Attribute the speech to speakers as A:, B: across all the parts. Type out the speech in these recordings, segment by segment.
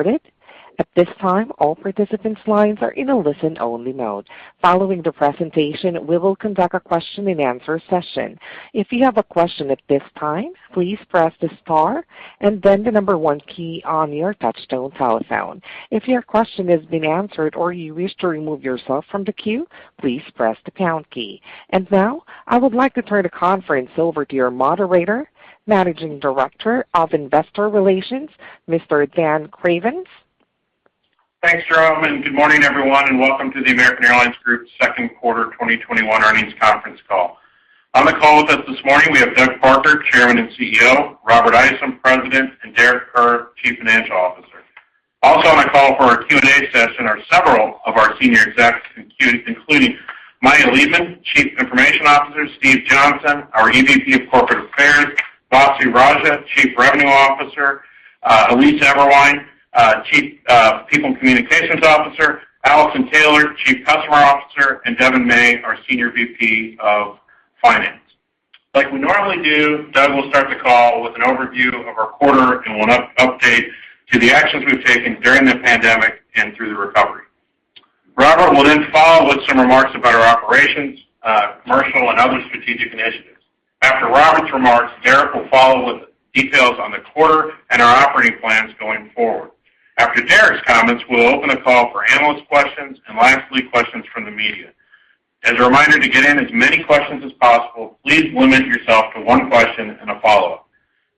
A: Now, I would like to turn the conference over to your moderator, Managing Director of Investor Relations, Mr. Daniel Cravens.
B: Thanks, Jerome. Good morning, everyone. Welcome to the American Airlines Group second quarter 2021 earnings conference call. On the call with us this morning, we have Doug Parker, Chairman and CEO, Robert Isom, President, and Derek Kerr, Chief Financial Officer. Also on the call for our Q&A session are several of our senior execs, including Maya Leibman, Chief Information Officer, Steve Johnson, our EVP of Corporate Affairs, Vasu Raja, Chief Revenue Officer, Elise Eberwein, Chief People and Communications Officer, Alison Taylor, Chief Customer Officer, and Devon May, our Senior VP of Finance. Like we normally do, Doug will start the call with an overview of our quarter and will update to the actions we've taken during the pandemic and through the recovery. Robert will then follow with some remarks about our operations, commercial, and other strategic initiatives. After Robert's remarks, Derek will follow with details on the quarter and our operating plans going forward. After Derek's comments, we'll open the call for analyst questions and lastly, questions from the media. As a reminder, to get in as many questions as possible, please limit yourself to 1 question and a follow-up.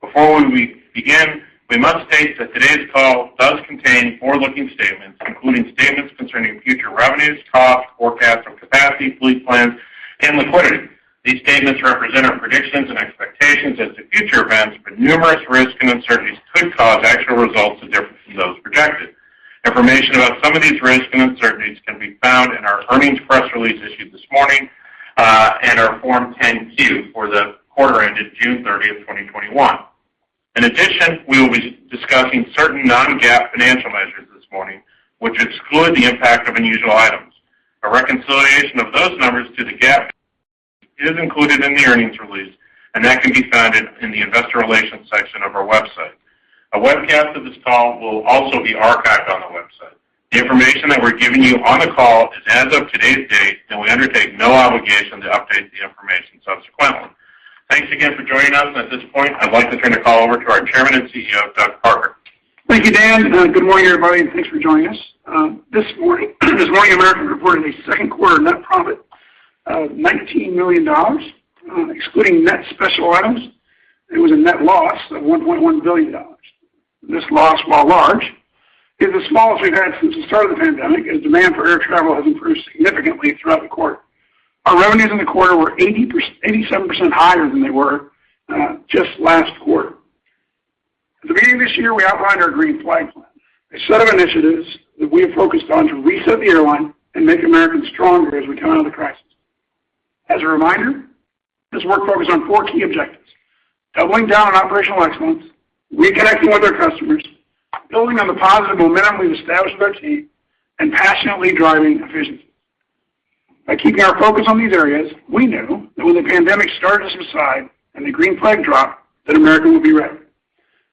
B: Before we begin, we must state that today's call does contain forward-looking statements, including statements concerning future revenues, costs, forecasts of capacity, fleet plans, and liquidity. These statements represent our predictions and expectations as to future events, but numerous risks and uncertainties could cause actual results to differ from those projected. Information about some of these risks and uncertainties can be found in our earnings press release issued this morning, and our Form 10-Q for the quarter ended June 30th, 2021. In addition, we will be discussing certain non-GAAP financial measures this morning, which exclude the impact of unusual items. A reconciliation of those numbers to the GAAP is included in the earnings release. That can be found in the investor relations section of our website. A webcast of this call will also be archived on the website. The information that we're giving you on the call is as of today's date. We undertake no obligation to update the information subsequently. Thanks again for joining us. At this point, I'd like to turn the call over to our Chairman and CEO, Doug Parker.
C: Thank you, Dan. Good morning, everybody, thanks for joining us. This morning, American reported a second quarter net profit of $19 million. Excluding net special items, it was a net loss of $1.1 billion. This loss, while large, is the smallest we've had since the start of the pandemic, as demand for air travel has improved significantly throughout the quarter. Our revenues in the quarter were 87% higher than they were just last quarter. At the beginning of this year, we outlined our Green Flag Plan, a set of initiatives that we have focused on to reset the airline and make American stronger as we come out of the crisis. As a reminder, this work focused on 4 key objectives: doubling down on operational excellence, reconnecting with our customers, building on the positive momentum we've established with our team, and passionately driving efficiency. By keeping our focus on these areas, we knew that when the pandemic started to subside and the green flag dropped, that American Airlines would be ready.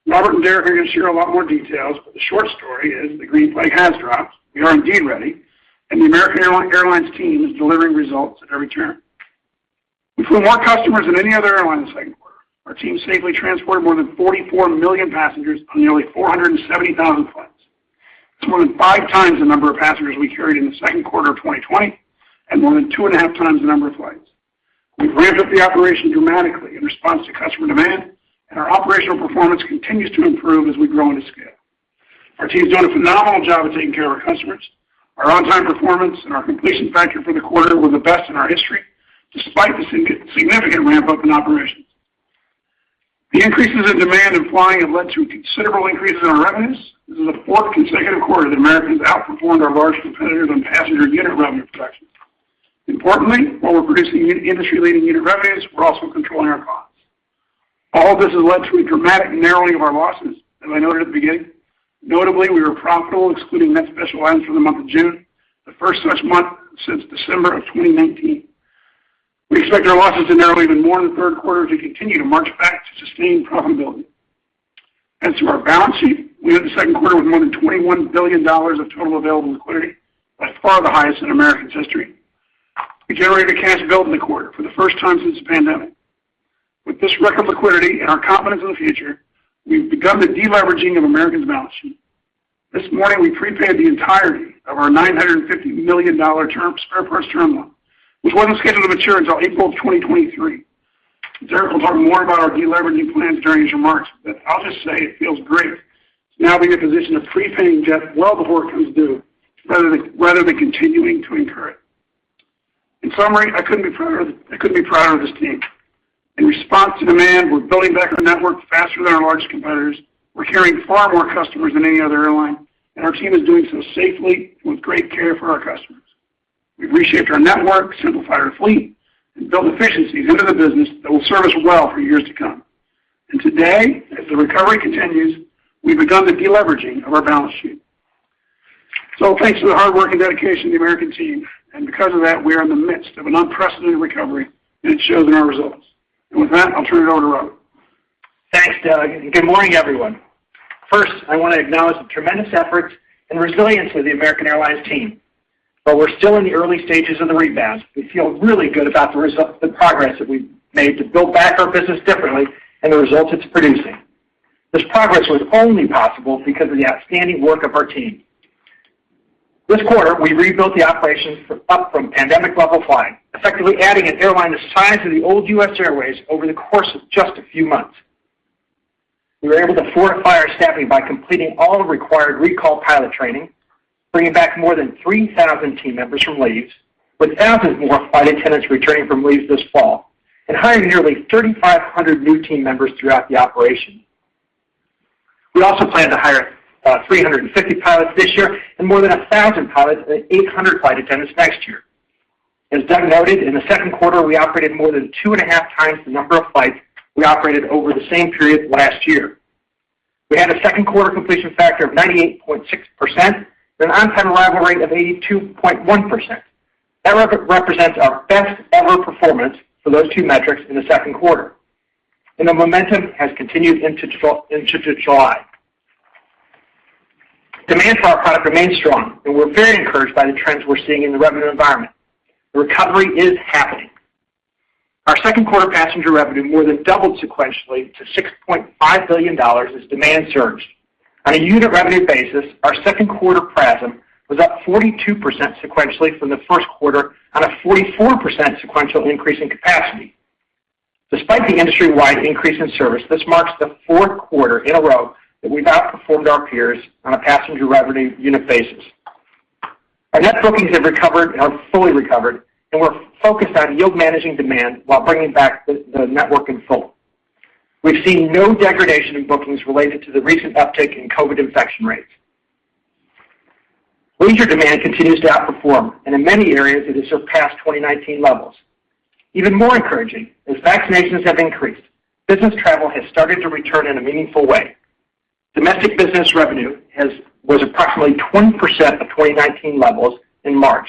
C: Robert and Derek are going to share a lot more details, but the short story is the green flag has dropped. We are indeed ready, and the American Airlines team is delivering results at every turn. We flew more customers than any other airline in the second quarter. Our team safely transported more than 44 million passengers on nearly 470,000 flights. That's more than 5x the number of passengers we carried in the second quarter of 2020 and more than 2.5x the number of flights. We've ramped up the operation dramatically in response to customer demand, and our operational performance continues to improve as we grow into scale. Our team's done a phenomenal job of taking care of our customers. Our on-time performance and our completion factor for the quarter were the best in our history, despite the significant ramp-up in operations. The increases in demand and flying have led to considerable increases in our revenues. This is the fourth consecutive quarter that American's outperformed our large competitors on passenger unit revenue collection. Importantly, while we're producing industry-leading unit revenues, we're also controlling our costs. All this has led to a dramatic narrowing of our losses, as I noted at the beginning. Notably, we were profitable excluding net special items for the month of June, the first such month since December of 2019. We expect our losses to narrow even more in the third quarter as we continue to march back to sustained profitability. As to our balance sheet, we ended the second quarter with more than $21 billion of total available liquidity, by far the highest in American's history. We generated cash flow in the quarter for the first time since the pandemic. With this record liquidity and our confidence in the future, we've begun the de-leveraging of American's balance sheet. This morning, we prepaid the entirety of our $950 million spare parts term loan, which wasn't scheduled to mature until April of 2023. Derek will talk more about our de-leveraging plans during his remarks, but I'll just say it feels great to now be in a position of prepaying debt well before it comes due rather than continuing to incur it. In summary, I couldn't be prouder of this team. In response to demand, we're building back our network faster than our largest competitors. We're carrying far more customers than any other airline, and our team is doing so safely with great care for our customers. We've reshaped our network, simplified our fleet, and built efficiencies into the business that will serve us well for years to come. Today, as the recovery continues, we've begun the de-leveraging of our balance sheet. So thanks for the hard work and dedication of the American team. Because of that, we are in the midst of an unprecedented recovery, and it shows in our results. With that, I'll turn it over to Robert.
D: Thanks, Doug. Good morning, everyone. First, I want to acknowledge the tremendous efforts and resilience of the American Airlines team. While we're still in the early stages of the rebound, we feel really good about the progress that we've made to build back our business differently and the results it's producing. This progress was only possible because of the outstanding work of our team. This quarter, we rebuilt the operations up from pandemic-level flying, effectively adding an airline the size of the old U.S. Airways over the course of just a few months. We were able to fortify our staffing by completing all the required recall pilot training, bringing back more than 3,000 team members from leaves, with thousands more flight attendants returning from leaves this fall, and hiring nearly 3,500 new team members throughout the operation. We also plan to hire 350 pilots this year and more than 1,000 pilots and 800 flight attendants next year. As Doug noted, in the second quarter, we operated more than two and a half times the number of flights we operated over the same period last year. We had a second quarter completion factor of 98.6% and an on-time arrival rate of 82.1%. That represents our best ever performance for those two metrics in the second quarter, and the momentum has continued into July. Demand for our product remains strong, and we're very encouraged by the trends we're seeing in the revenue environment. Recovery is happening. Our second quarter passenger revenue more than doubled sequentially to $6.5 billion as demand surged. On a unit revenue basis, our second quarter PRASM was up 42% sequentially from the first quarter on a 44% sequential increase in capacity. Despite the industry-wide increase in service, this marks the fourth quarter in a row that we've outperformed our peers on a passenger revenue unit basis. Our net bookings have recovered and are fully recovered, and we're focused on yield-managing demand while bringing back the network in full. We've seen no degradation in bookings related to the recent uptick in COVID infection rates. Leisure demand continues to outperform, and in many areas, it has surpassed 2019 levels. Even more encouraging, as vaccinations have increased, business travel has started to return in a meaningful way. Domestic business revenue was approximately 20% of 2019 levels in March,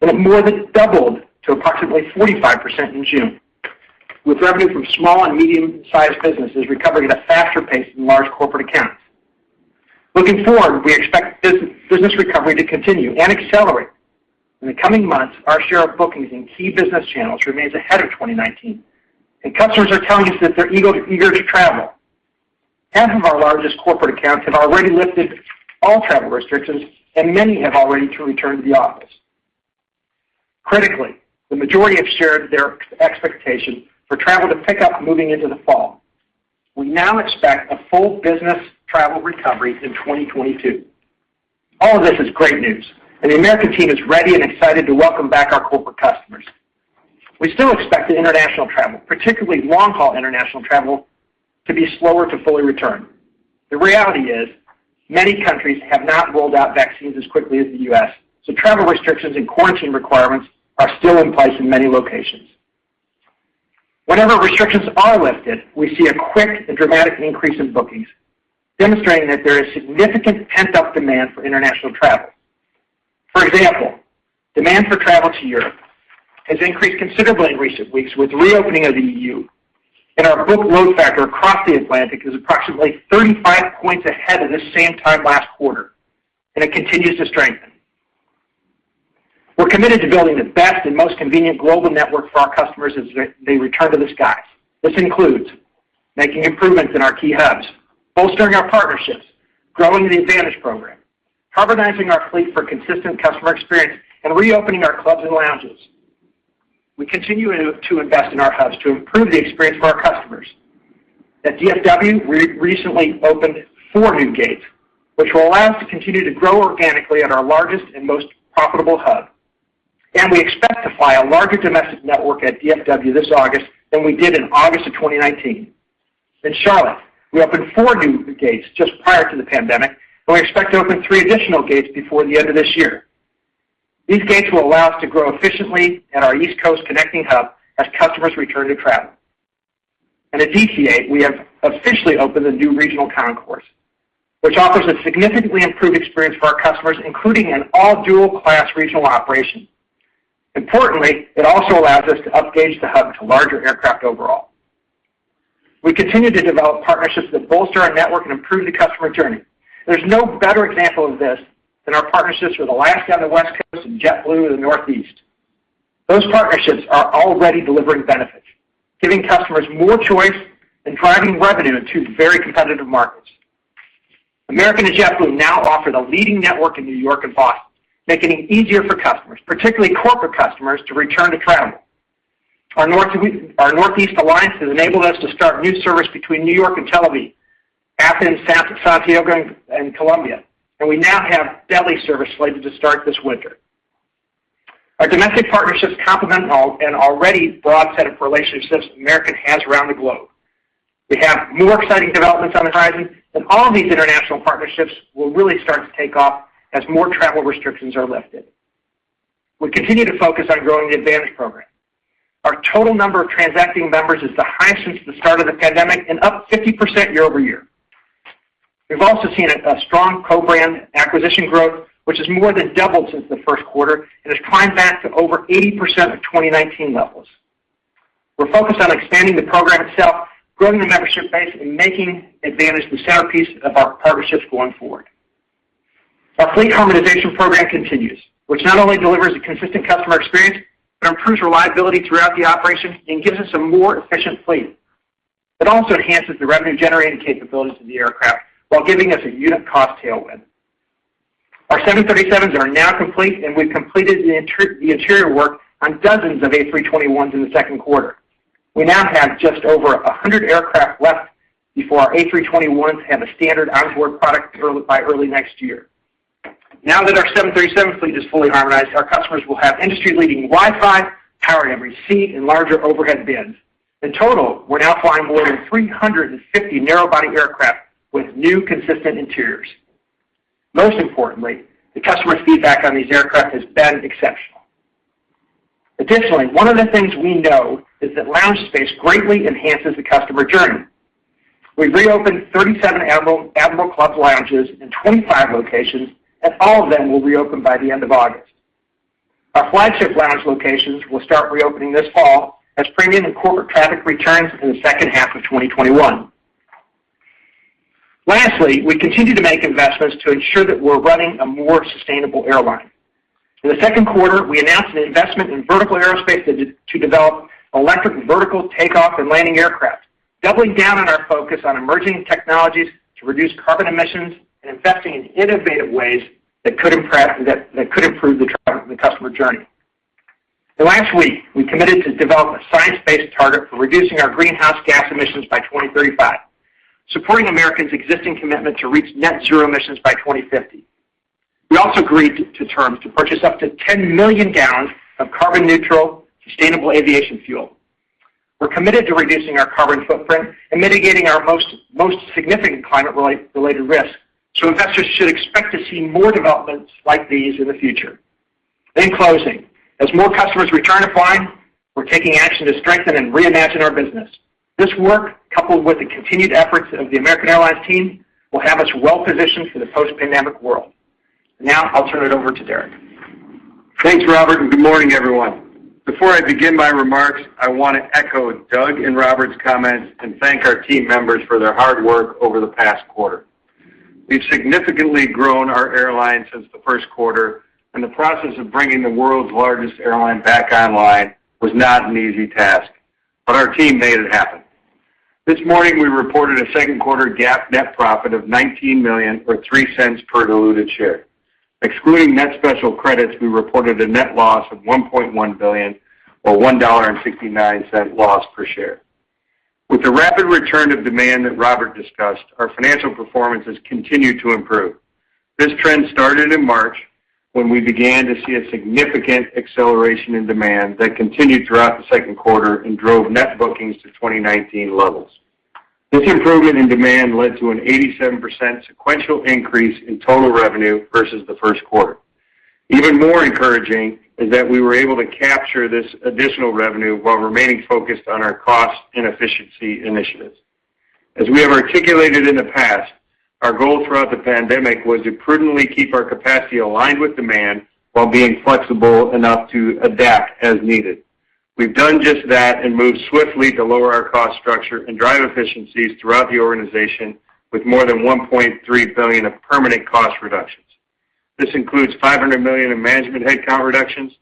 D: and it more than doubled to approximately 45% in June, with revenue from small and medium-sized businesses recovering at a faster pace than large corporate accounts. Looking forward, we expect business recovery to continue and accelerate. In the coming months, our share of bookings in key business channels remains ahead of 2019, and customers are telling us that they're eager to travel. Half of our largest corporate accounts have already lifted all travel restrictions, and many have already returned to the office. Critically, the majority have shared their expectation for travel to pick up moving into the fall. We now expect a full business travel recovery in 2022. All of this is great news, and the American team is ready and excited to welcome back our corporate customers. We still expect international travel, particularly long-haul international travel, to be slower to fully return. The reality is many countries have not rolled out vaccines as quickly as the U.S., so travel restrictions and quarantine requirements are still in place in many locations. Whenever restrictions are lifted, we see a quick and dramatic increase in bookings, demonstrating that there is significant pent-up demand for international travel. For example, demand for travel to Europe has increased considerably in recent weeks with the reopening of the E.U., and our booked load factor across the Atlantic is approximately 35 points ahead of the same time last quarter, and it continues to strengthen. We're committed to building the best and most convenient global network for our customers as they return to the skies. This includes making improvements in our key hubs, bolstering our partnerships, growing the AAdvantage program, harmonizing our fleet for consistent customer experience, and reopening our clubs and lounges. We continue to invest in our hubs to improve the experience for our customers. At DFW, we recently opened 4 new gates, which will allow us to continue to grow organically at our largest and most profitable hub. We expect to fly a larger domestic network at DFW this August than we did in August of 2019. In Charlotte, we opened 4 new gates just prior to the pandemic. We expect to open 3 additional gates before the end of this year. These gates will allow us to grow efficiently at our East Coast connecting hub as customers return to travel. At DCA, we have officially opened the new regional concourse, which offers a significantly improved experience for our customers, including an all dual-class regional operation. Importantly, it also allows us to up-gauge the hub to larger aircraft overall. We continue to develop partnerships that bolster our network and improve the customer journey. There's no better example of this than our partnerships with Alaska on the West Coast and JetBlue in the Northeast. Those partnerships are already delivering benefits, giving customers more choice and driving revenue in two very competitive markets. American and JetBlue now offer the leading network in New York and Boston, making it easier for customers, particularly corporate customers, to return to travel. Our Northeast Alliance has enabled us to start new service between New York and Tel Aviv, Athens, Santiago, and Colombia. We now have Delhi service slated to start this winter. Our domestic partnerships complement an already broad set of relationships American has around the globe. We have more exciting developments on the horizon. All these international partnerships will really start to take off as more travel restrictions are lifted. We continue to focus on growing the AAdvantage program. Our total number of transacting members is the highest since the start of the pandemic and up 50% year-over-year. We've also seen a strong co-brand acquisition growth, which has more than doubled since the first quarter and has climbed back to over 80% of 2019 levels. We're focused on expanding the program itself, growing the membership base, and making AAdvantage the centerpiece of our partnerships going forward. Our fleet harmonization program continues, which not only delivers a consistent customer experience, but improves reliability throughout the operation and gives us a more efficient fleet. It also enhances the revenue-generating capabilities of the aircraft while giving us a unit cost tailwind. Our 737s are now complete, and we've completed the interior work on dozens of A321s in the second quarter. We now have just over 100 aircraft left before our A321s have a standard onboard product by early next year. Now that our 737 fleet is fully harmonized, our customers will have industry-leading Wi-Fi, power at every seat, and larger overhead bins. In total, we're now flying more than 350 narrow-body aircraft with new consistent interiors. Most importantly, the customer feedback on these aircraft has been exceptional. One of the things we know is that lounge space greatly enhances the customer journey. We've reopened 37 Admirals Club lounges in 25 locations, and all of them will reopen by the end of August. Our Flagship Lounge locations will start reopening this fall as premium and corporate traffic returns in the second half of 2021. We continue to make investments to ensure that we're running a more sustainable airline. In the 2nd quarter, we announced an investment in Vertical Aerospace to develop electric vertical takeoff and landing aircraft, doubling down on our focus on emerging technologies to reduce carbon emissions and investing in innovative ways that could improve the customer journey. Last week, we committed to develop a science-based target for reducing our greenhouse gas emissions by 2035, supporting American's existing commitment to reach net zero emissions by 2050. We also agreed to terms to purchase up to 10 million gallons of carbon-neutral, sustainable aviation fuel. We're committed to reducing our carbon footprint and mitigating our most significant climate-related risk, so investors should expect to see more developments like these in the future. In closing, as more customers return to flying, we're taking action to strengthen and reimagine our business. This work, coupled with the continued efforts of the American Airlines team, will have us well-positioned for the post-pandemic world. Now, I'll turn it over to Derek.
E: Thanks, Robert, good morning, everyone. Before I begin my remarks, I want to echo Doug and Robert's comments and thank our team members for their hard work over the past quarter. We've significantly grown our airline since the first quarter, the process of bringing the world's largest airline back online was not an easy task, our team made it happen. This morning, we reported a second quarter GAAP net profit of $19 million, or $0.03 per diluted share. Excluding net special credits, we reported a net loss of $1.1 billion or $1.69 loss per share. With the rapid return of demand that Robert discussed, our financial performance has continued to improve. This trend started in March when we began to see a significant acceleration in demand that continued throughout the second quarter and drove net bookings to 2019 levels. This improvement in demand led to an 87% sequential increase in total revenue versus the first quarter. Even more encouraging is that we were able to capture this additional revenue while remaining focused on our cost and efficiency initiatives. As we have articulated in the past, our goal throughout the pandemic was to prudently keep our capacity aligned with demand while being flexible enough to adapt as needed. We've done just that and moved swiftly to lower our cost structure and drive efficiencies throughout the organization with more than $1.3 billion of permanent cost reductions. This includes $500 million in management headcount reductions,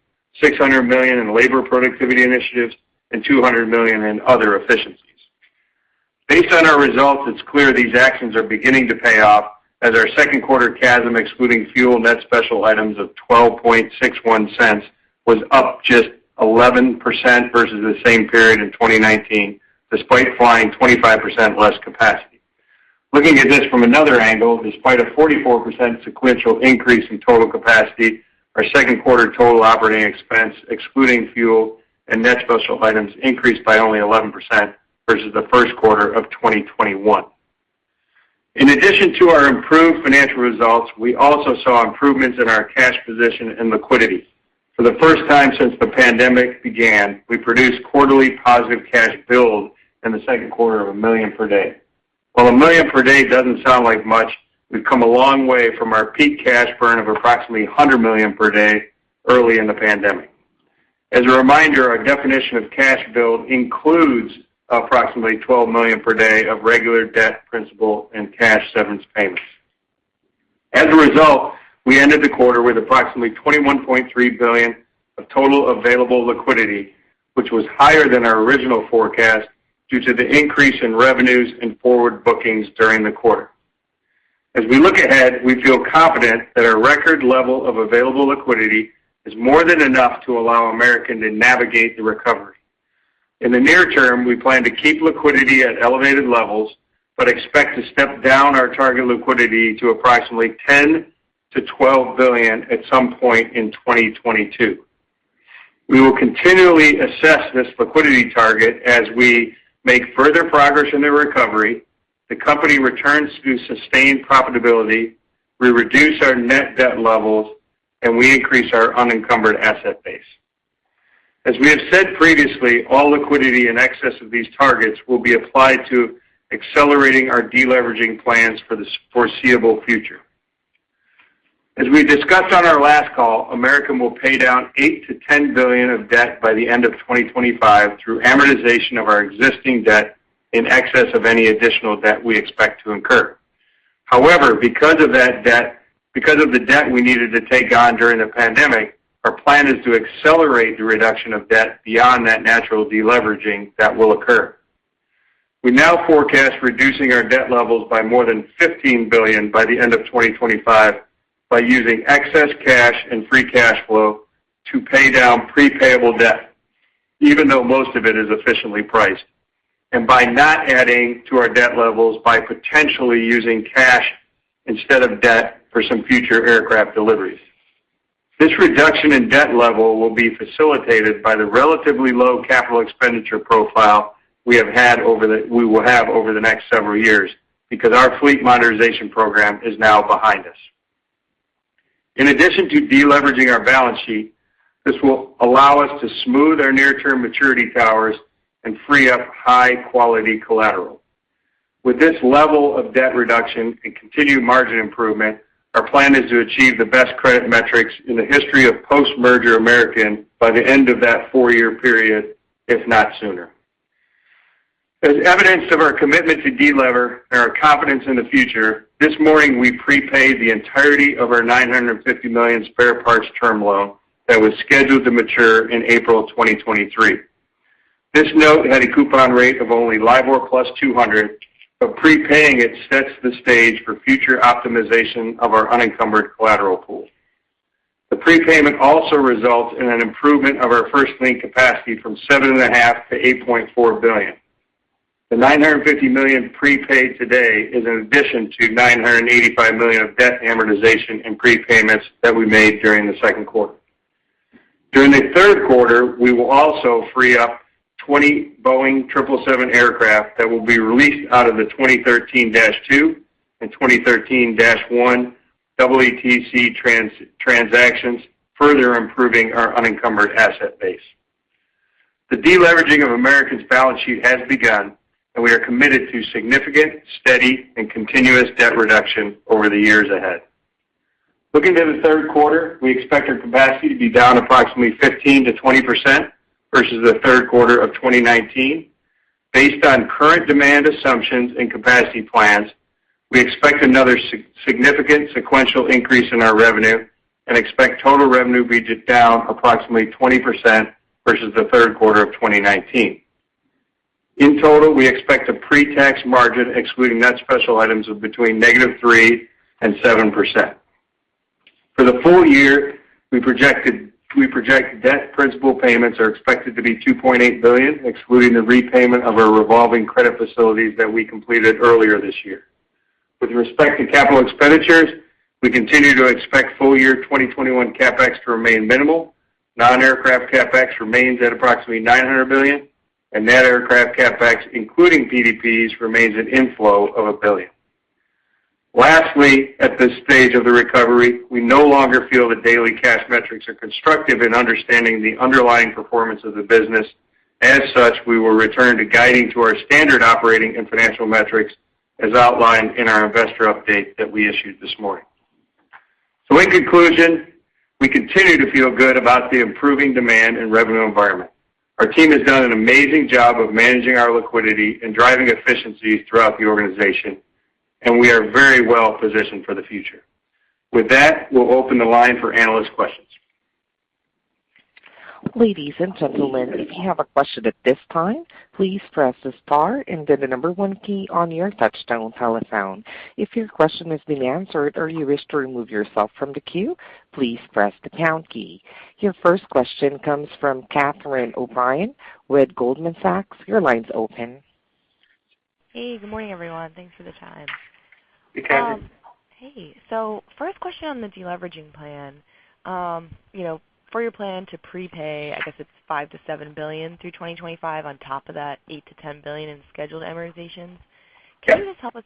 E: $600 million in labor productivity initiatives, and $200 million in other efficiencies. Based on our results, it's clear these actions are beginning to pay off as our second quarter CASM, excluding fuel and net special items of $0.1261, was up just 11% versus the same period in 2019, despite flying 25% less capacity. Looking at this from another angle, despite a 44% sequential increase in total capacity, our second quarter total operating expense, excluding fuel and net special items, increased by only 11% versus the first quarter of 2021. In addition to our improved financial results, we also saw improvements in our cash position and liquidity. For the first time since the pandemic began, we produced quarterly positive cash build in the second quarter of $1 million per day. While $1 million per day doesn't sound like much, we've come a long way from our peak cash burn of approximately $100 million per day early in the pandemic. As a reminder, our definition of cash build includes approximately $12 million per day of regular debt, principal, and cash severance payments. As a result, we ended the quarter with approximately $21.3 billion of total available liquidity, which was higher than our original forecast due to the increase in revenues and forward bookings during the quarter. As we look ahead, we feel confident that our record level of available liquidity is more than enough to allow American to navigate the recovery. In the near term, we plan to keep liquidity at elevated levels, but expect to step down our target liquidity to approximately $10 billion-$12 billion at some point in 2022. We will continually assess this liquidity target as we make further progress in the recovery, the company returns to sustained profitability, we reduce our net debt levels, and we increase our unencumbered asset base. As we have said previously, all liquidity in excess of these targets will be applied to accelerating our deleveraging plans for the foreseeable future. As we discussed on our last call, American will pay down $8 billion-$10 billion of debt by the end of 2025 through amortization of our existing debt in excess of any additional debt we expect to incur. Because of the debt we needed to take on during the pandemic, our plan is to accelerate the reduction of debt beyond that natural deleveraging that will occur. We now forecast reducing our debt levels by more than $15 billion by the end of 2025 by using excess cash and free cash flow to pay down pre-payable debt, even though most of it is efficiently priced, and by not adding to our debt levels by potentially using cash instead of debt for some future aircraft deliveries. This reduction in debt level will be facilitated by the relatively low capital expenditure profile we will have over the next several years because our fleet monetization program is now behind us. In addition to deleveraging our balance sheet, this will allow us to smooth our near-term maturity towers and free up high-quality collateral. With this level of debt reduction and continued margin improvement, our plan is to achieve the best credit metrics in the history of post-merger American by the end of that four-year period, if not sooner. As evidence of our commitment to de-lever and our confidence in the future, this morning, we prepaid the entirety of our $950 million spare parts term loan that was scheduled to mature in April 2023. This note had a coupon rate of only LIBOR+ 200, but prepaying it sets the stage for future optimization of our unencumbered collateral pool. The prepayment also results in an improvement of our first lien capacity from $7.5 billion-$8.4 billion. The $950 million prepaid today is an addition to $985 million of debt amortization and prepayments that we made during the second quarter. During the third quarter, we will also free up 20 Boeing 777 aircraft that will be released out of the 2013-2 and 2013-1 EETC transactions, further improving our unencumbered asset base. The deleveraging of American's balance sheet has begun, and we are committed to significant, steady, and continuous debt reduction over the years ahead. Looking to the third quarter, we expect our capacity to be down approximately 15%-20% versus the third quarter of 2019. Based on current demand assumptions and capacity plans, we expect another significant sequential increase in our revenue and expect total revenue to be down approximately 20% versus the third quarter of 2019. In total, we expect a pre-tax margin excluding net special items of between -3% and - 7%. For the full year, we project debt principal payments are expected to be $2.8 billion, excluding the repayment of our revolving credit facilities that we completed earlier this year. With respect to capital expenditures, we continue to expect full-year 2021 CapEx to remain minimal. Non-aircraft CapEx remains at approximately $900 million, and net aircraft CapEx, including PDPs, remains an inflow of $1 billion. Lastly, at this stage of the recovery, we no longer feel the daily cash metrics are constructive in understanding the underlying performance of the business. As such, we will return to guiding to our standard operating and financial metrics as outlined in our investor update that we issued this morning. In conclusion, we continue to feel good about the improving demand and revenue environment. Our team has done an amazing job of managing our liquidity and driving efficiencies throughout the organization, and we are very well positioned for the future. With that, we'll open the line for analyst questions.
A: Ladies and gentlemen, if you have a question at this time, please press the star and then the number one key on your touchtone telephone. If your question has been answered or you wish to remove yourself from the queue, please press the pound key. Your first question comes from Catherine O'Brien with Goldman Sachs. Your line's open.
F: Hey, good morning, everyone. Thanks for the time.
E: Hey, Catherine.
F: Hey. First question on the deleveraging plan. For your plan to prepay, I guess it's $5 billion-$7 billion through 2025 on top of that $8 billion-$10 billion in scheduled amortization.
E: Yes.
F: Can you tell us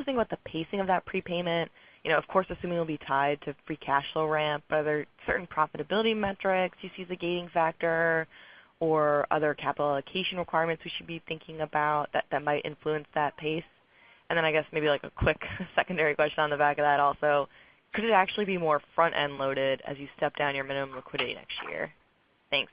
F: a thing about the pacing of that prepayment? Of course, assuming it'll be tied to free cash flow ramp. Are there certain profitability metrics you see as a gating factor or other capital allocation requirements we should be thinking about that might influence that pace? I guess maybe a quick secondary question on the back of that also. Could it actually be more front-end loaded as you step down your minimum liquidity next year? Thanks.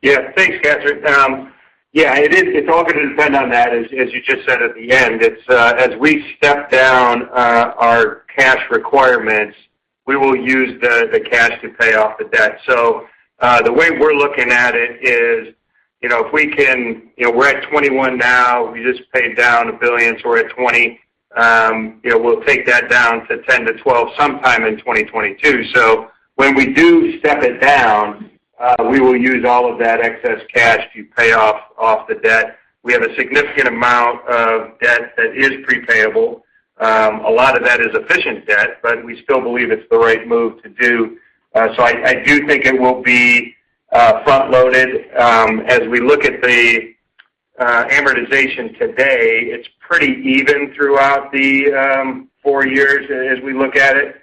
E: Yeah. Thanks, Catherine. Yeah, it is. It's all going to depend on that, as you just said at the end. As we step down our cash requirements, we will use the cash to pay off the debt. The way we're looking at it is, we're at 21 now. We just paid down $1 billion, so we're at 20. We'll take that down to 10-12 sometime in 2022. When we do step it down, we will use all of that excess cash to pay off the debt. We have a significant amount of debt that is pre-payable. A lot of that is efficient debt, but we still believe it's the right move to do. I do think it will be front-loaded. As we look at the amortization today, it's pretty even throughout the 4 years as we look at it.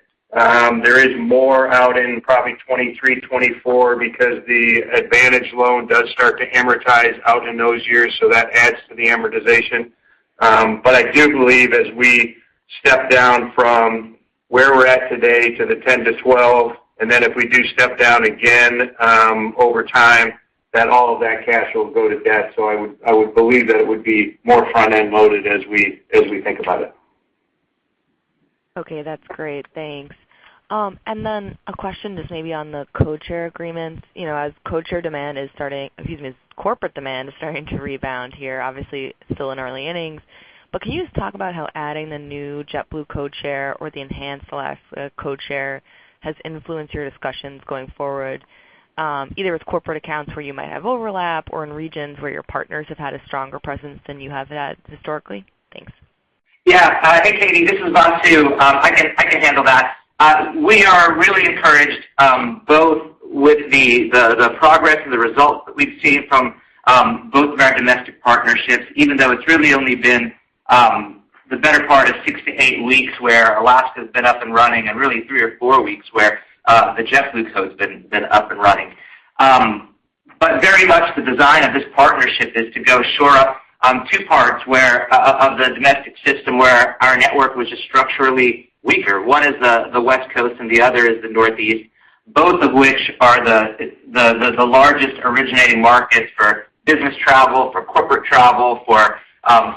E: There is more out in probably 2023, 2024 because the AAdvantage loan does start to amortize out in those years, so that adds to the amortization. I do believe as we step down from where we're at today to the 10-12, and then if we do step down again over time, that all of that cash will go to debt. I would believe that it would be more front-end loaded as we think about it.
F: Okay, that's great. Thanks. A question just maybe on the codeshare agreements. As corporate demand is starting to rebound here, obviously still in early innings, but can you just talk about how adding the new JetBlue codeshare or the enhanced Alaska codeshare has influenced your discussions going forward, either with corporate accounts where you might have overlap or in regions where your partners have had a stronger presence than you have had historically? Thanks.
G: Yeah. Hey, Catherine, this is Vasu. I can handle that. We are really encouraged both with the progress and the results that we've seen from both of our domestic partnerships, even though it's really only been the better part of 6-8 weeks where Alaska's been up and running and really three or four weeks where the JetBlue code's been up and running. Very much the design of this partnership is to go shore up two parts of the domestic system where our network was just structurally weaker. One is the West Coast and the other is the Northeast, both of which are the largest originating markets for business travel, for corporate travel, for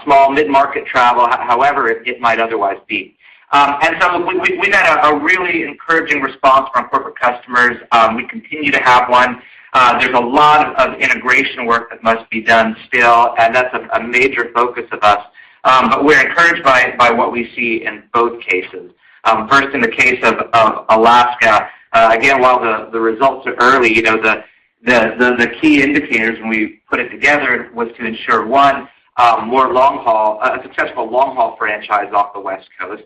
G: small mid-market travel, however it might otherwise be. We've had a really encouraging response from corporate customers. We continue to have one. There's a lot of integration work that must be done still, and that's a major focus of us. We're encouraged by what we see in both cases. First, in the case of Alaska, again, while the results are early, the key indicators when we put it together was to ensure, 1, a successful long-haul franchise off the West Coast.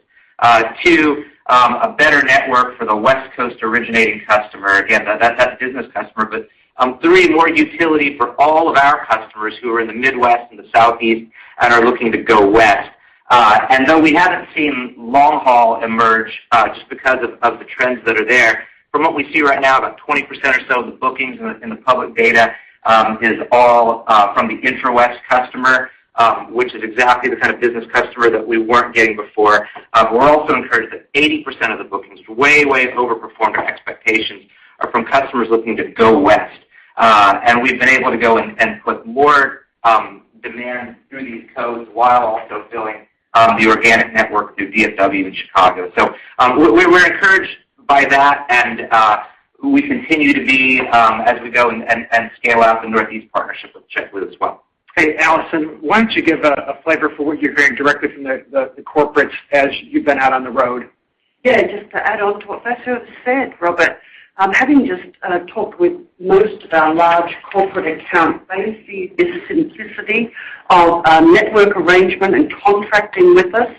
G: 2, a better network for the West Coast originating customer. Again, that's a business customer, but 3, more utility for all of our customers who are in the Midwest and the Southeast and are looking to go west. Though we haven't seen long haul emerge just because of the trends that are there, from what we see right now, about 20% or so of the bookings in the public data is all from the intra-west customer, which is exactly the kind of business customer that we weren't getting before. We're also encouraged that 80% of the bookings, way over performed our expectations, are from customers looking to go west. We've been able to go and put more demand through these codes while also filling the organic network through DFW to Chicago. We're encouraged by that, and we continue to be as we go and scale out the Northeast partnership with JetBlue as well.
D: Hey, Alison, why don't you give a flavor for what you're hearing directly from the corporates as you've been out on the road?
H: Just to add on to what Vasu said, Robert, having just talked with most of our large corporate account base, the simplicity of our network arrangement and contracting with us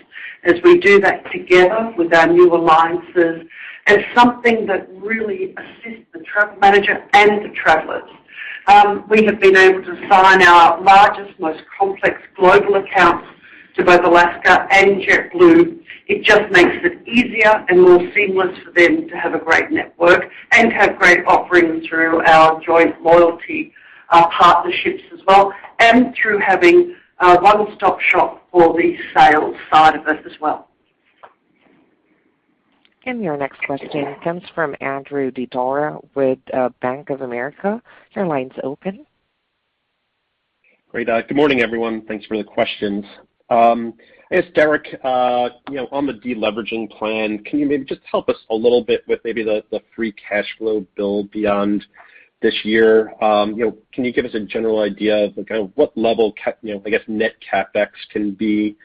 H: as we do that together with our new alliances is something that really assists the travel manager and the travelers. We have been able to sign our largest, most complex global accounts to both Alaska and JetBlue. It just makes it easier and more seamless for them to have a great network and have great offerings through our joint loyalty partnerships as well, and through having a one-stop shop for the sales side of it as well.
A: Your next question comes from Andrew Didora with Bank of America. Your line's open.
I: Great. Good morning, everyone. Thanks for the questions. Derek, on the de-leveraging plan, can you maybe just help us a little bit with maybe the free cash flow build beyond this year? Can you give us a general idea of what level net CapEx can be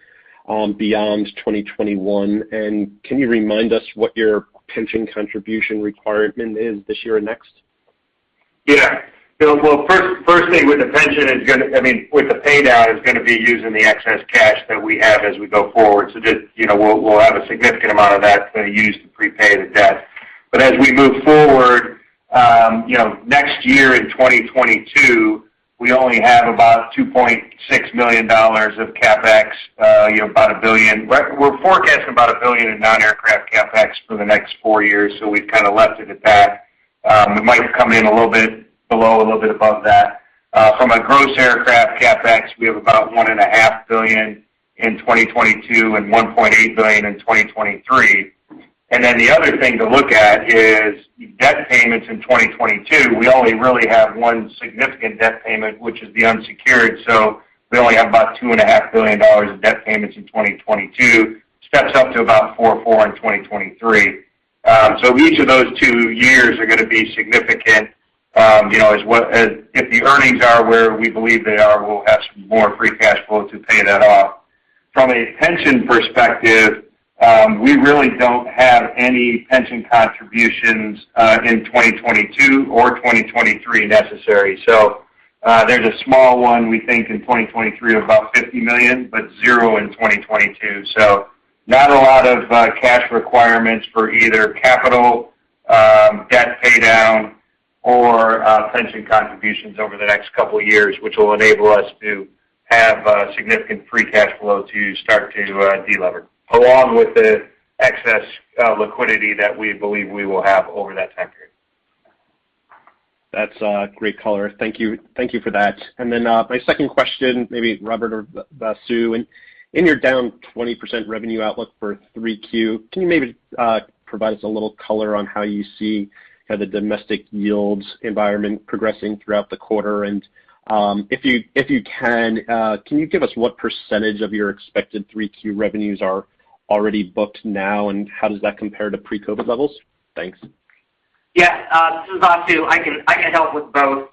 I: beyond 2021, and can you remind us what your pension contribution requirement is this year and next?
E: Firstly, with the pay down is going to be using the excess cash that we have as we go forward. We'll have a significant amount of that to use to pre-pay the debt. As we move forward next year in 2022, we only have about $2.6 million of CapEx, about $1 billion. We're forecasting about $1 billion in non-aircraft CapEx for the next four years, so we've kind of left it at that. It might come in a little bit below, a little bit above that. From a gross aircraft CapEx, we have about $1.5 billion in 2022 and $1.8 billion in 2023. The other thing to look at is debt payments in 2022. We only really have one significant debt payment, which is the unsecured. We only have about $2.5 billion of debt payments in 2022. Steps up to about 4 in 2023. Each of those 2 years are going to be significant. If the earnings are where we believe they are, we'll have some more free cash flow to pay that off. From a pension perspective, we really don't have any pension contributions in 2022 or 2023 necessary. There's a small one we think in 2023 of about $50 million, but zero in 2022. Not a lot of cash requirements for either capital paydown or pension contributions over the next couple of years, which will enable us to have significant free cash flow to start to de-lever, along with the excess liquidity that we believe we will have over that time period.
I: That's great color. Thank you for that. Then my second question, maybe Robert or Vasu. In your down 20% revenue outlook for 3Q, can you maybe provide us a little color on how you see the domestic yields environment progressing throughout the quarter? If you can you give us what percentage of your expected 3Q revenues are already booked now, and how does that compare to pre-COVID levels? Thanks.
G: Yeah. This is Vasu. I can help with both.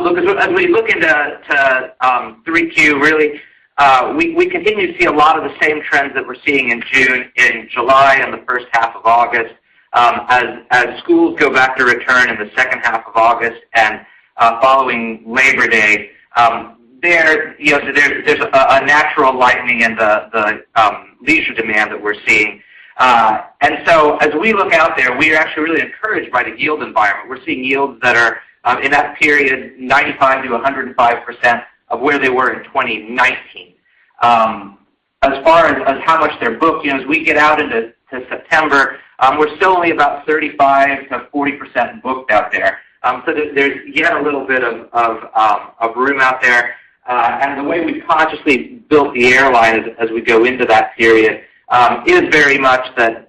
G: Look, as we look into 3Q, really, we continue to see a lot of the same trends that we're seeing in June, in July, and the first half of August. As schools go back to return in the second half of August and following Labor Day, there's a natural lightening in the leisure demand that we're seeing. As we look out there, we are actually really encouraged by the yield environment. We're seeing yields that are, in that period, 95%-105% of where they were in 2019. As far as how much they're booked, as we get out into September, we're still only about 35%-40% booked out there. There's yet a little bit of room out there. The way we've consciously built the airline as we go into that period is very much that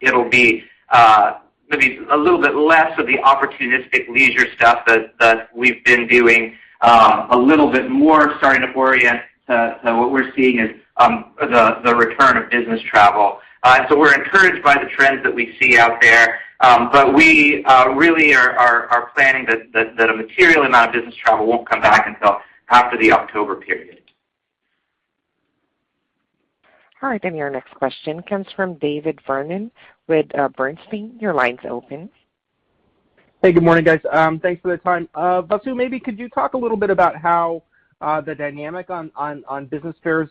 G: it'll be maybe a little bit less of the opportunistic leisure stuff that we've been doing, a little bit more starting to orient to what we're seeing as the return of business travel. We're encouraged by the trends that we see out there. We really are planning that a material amount of business travel won't come back until after the October period.
A: All right, your next question comes from David Vernon with Bernstein. Your line's open.
J: Hey, good morning, guys. Thanks for the time. Vasu, maybe could you talk a little bit about how the dynamic on business fares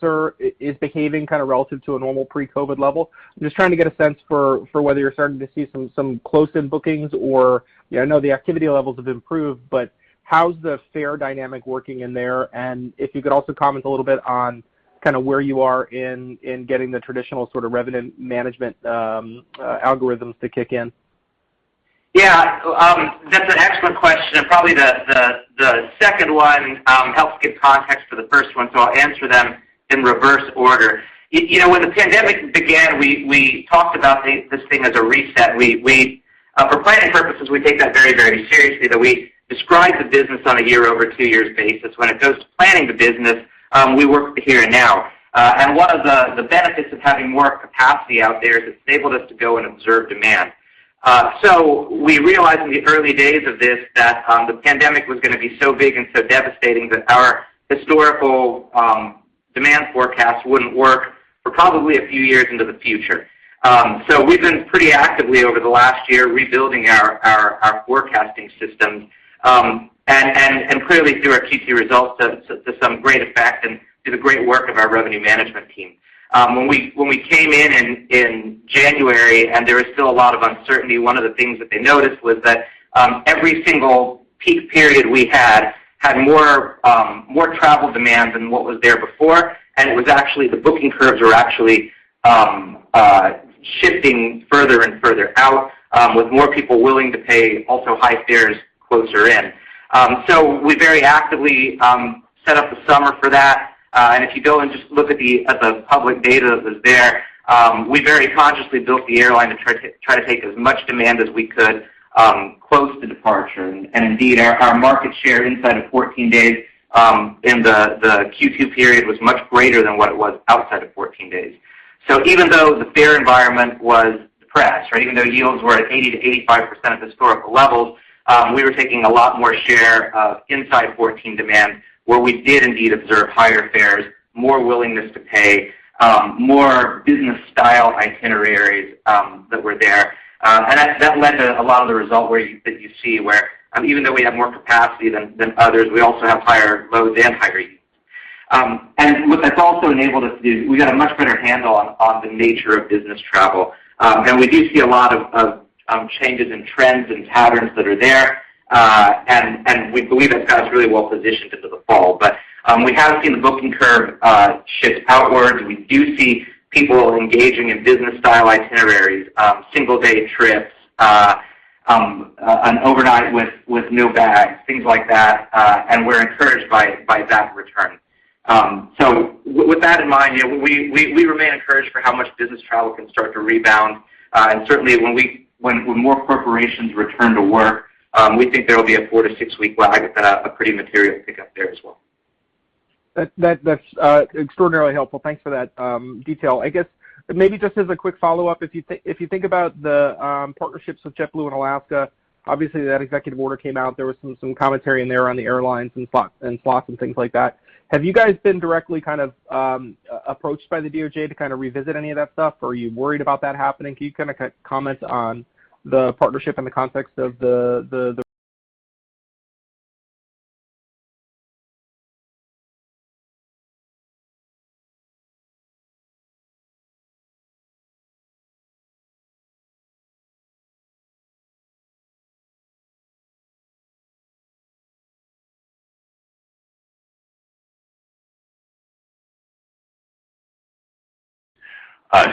J: is behaving kind of relative to a normal pre-COVID level? I'm just trying to get a sense for whether you're starting to see some close-in bookings. I know the activity levels have improved, but how's the fare dynamic working in there? If you could also comment a little bit on where you are in getting the traditional sort of revenue management algorithms to kick in.
G: Yeah. That's an excellent question, and probably the second one helps give context for the first one, so I'll answer them in reverse order. When the pandemic began, we talked about this thing as a reset. For planning purposes, we take that very, very seriously, that we describe the business on a year-over-2 years basis. When it goes to planning the business, we work with the here and now. One of the benefits of having more capacity out there is it's enabled us to go and observe demand. We realized in the early days of this that the pandemic was going to be so big and so devastating that our historical demand forecast wouldn't work for probably a few years into the future. We've been pretty actively, over the last year, rebuilding our forecasting systems, and clearly through our Q2 results to some great effect and through the great work of our revenue management team. When we came in in January and there was still a lot of uncertainty, one of the things that they noticed was that every single peak period we had had more travel demand than what was there before, and the booking curves were actually shifting further and further out, with more people willing to pay also high fares closer in. We very actively set up the summer for that. If you go and just look at the public data that was there, we very consciously built the airline to try to take as much demand as we could close to departure. Indeed, our market share inside of 14 days in the Q2 period was much greater than what it was outside of 14 days. Even though the fare environment was depressed, even though yields were at 80%-85% of historical levels, we were taking a lot more share inside 14 days, where we did indeed observe higher fares, more willingness to pay, more business-style itineraries that were there. That led to a lot of the result that you see, where even though we have more capacity than others, we also have higher loads and higher yields. What that's also enabled us to do is we got a much better handle on the nature of business travel. We do see a lot of changes in trends and patterns that are there, and we believe that's got us really well positioned into the fall. We have seen the booking curve shift outwards, and we do see people engaging in business-style itineraries, single-day trips, an overnight with no bags, things like that, and we're encouraged by that return. With that in mind, we remain encouraged for how much business travel can start to rebound. Certainly when more corporations return to work, we think there will be a 4-to-6-week lag, but a pretty material pickup there as well.
J: That's extraordinarily helpful. Thanks for that detail. I guess maybe just as a quick follow-up, if you think about the partnerships with JetBlue and Alaska, obviously that executive order came out. There was some commentary in there on the airlines and slots and things like that. Have you guys been directly kind of approached by the DOJ to kind of revisit any of that stuff, or are you worried about that happening? Can you kind of comment on the partnership in the context of the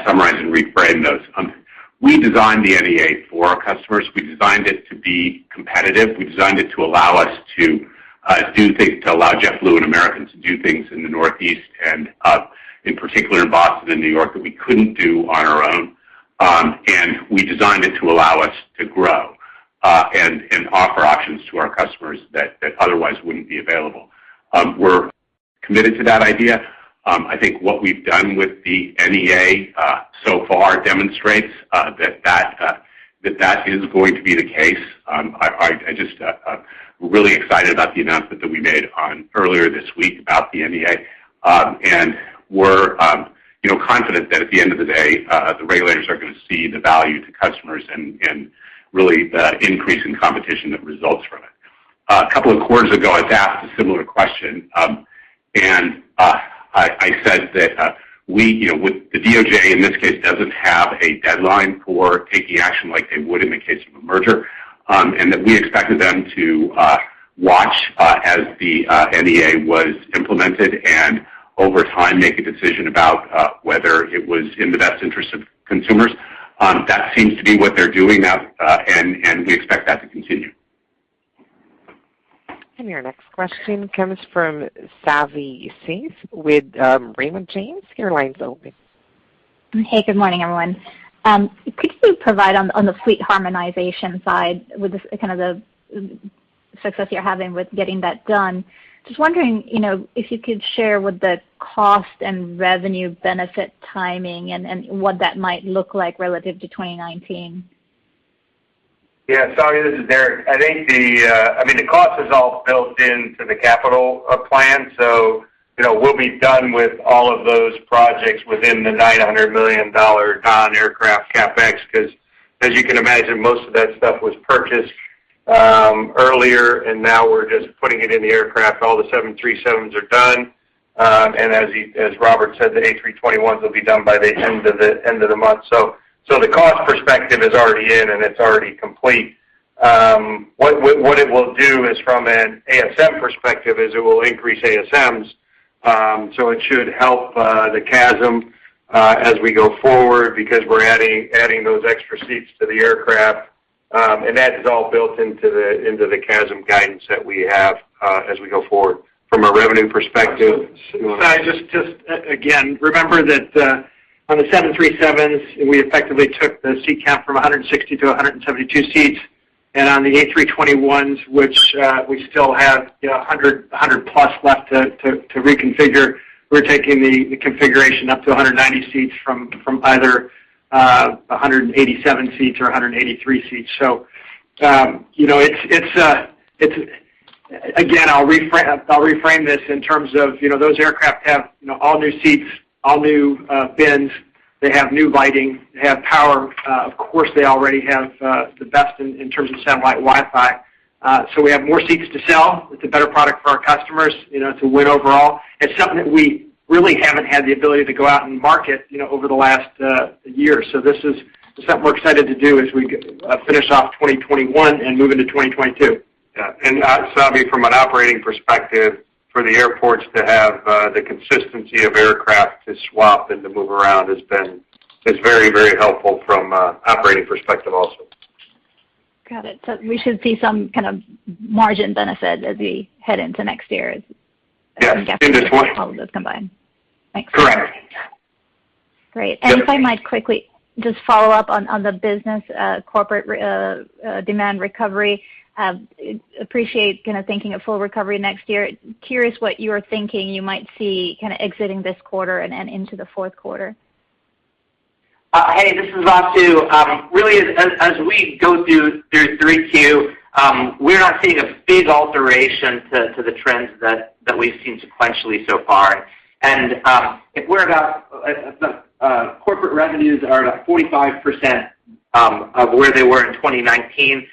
C: Summarize and reframe those. We designed the NEA for our customers. We designed it to be competitive. We designed it to allow us to do things, to allow JetBlue and American to do things in the Northeast and in particular in Boston and New York that we couldn't do on our own. We designed it to allow us to grow and offer options to our customers that otherwise wouldn't be available. We're committed to that idea. I think what we've done with the NEA so far demonstrates that is going to be the case. I'm really excited about the announcement that we made earlier this week about the NEA. We're confident that at the end of the day, the regulators are going to see the value to customers and really the increase in competition that results from it. A couple of quarters ago, I was asked a similar question. I said that the DOJ, in this case, doesn't have a deadline for taking action like they would in the case of a merger. We expected them to watch as the NEA was implemented and over time make a decision about whether it was in the best interest of consumers. That seems to be what they're doing now. We expect that to continue.
A: Your next question comes from Savi Syth with Raymond James. Your line's open.
K: Hey, good morning, everyone. Could you provide on the fleet harmonization side with the kind of the success you're having with getting that done, just wondering if you could share what the cost and revenue benefit timing and what that might look like relative to 2019?
E: Yeah, Savi, this is Derek. I think the cost is all built into the capital plan. We'll be done with all of those projects within the $900 million non-aircraft CapEx, because as you can imagine, most of that stuff was purchased earlier, and now we're just putting it in the aircraft. All the 737s are done. As Robert said, the A321s will be done by the end of the month. The cost perspective is already in, and it's already complete. What it will do is from an ASM perspective is it will increase ASMs, so it should help the CASM as we go forward because we're adding those extra seats to the aircraft. That is all built into the CASM guidance that we have as we go forward. From a revenue perspective-
C: Savi, just again, remember that on the 737s, we effectively took the seat cap from 160-172 seats. On the A321s, which we still have 100 plus left to reconfigure, we're taking the configuration up to 190 seats from either 187 seats or 183 seats. Again, I'll reframe this in terms of those aircraft have all-new seats, all new bins, they have new lighting, they have power. Of course, they already have the best in terms of satellite Wi-Fi. We have more seats to sell. It's a better product for our customers to win overall. It's something that we really haven't had the ability to go out and market over the last year. This is something we're excited to do as we finish off 2021 and move into 2022.
E: Yeah. Savi, from an operating perspective, for the airports to have the consistency of aircraft to swap and to move around has been very, very helpful from an operating perspective also.
K: Got it. We should see some kind of margin benefit as we head into next year.
E: Yes, in this one.
K: as you get all those combined. Thanks.
E: Correct.
K: Great. If I might quickly just follow up on the business corporate demand recovery. I appreciate your thinking a full recovery next year. I am curious what you are thinking you might see kind of exiting this quarter and into the fourth quarter.
G: Hey, this is Vasu. Really, as we go through 3Q, we're not seeing a big alteration to the trends that we've seen sequentially so far. Corporate revenues are at a 45% of where they were in 2019.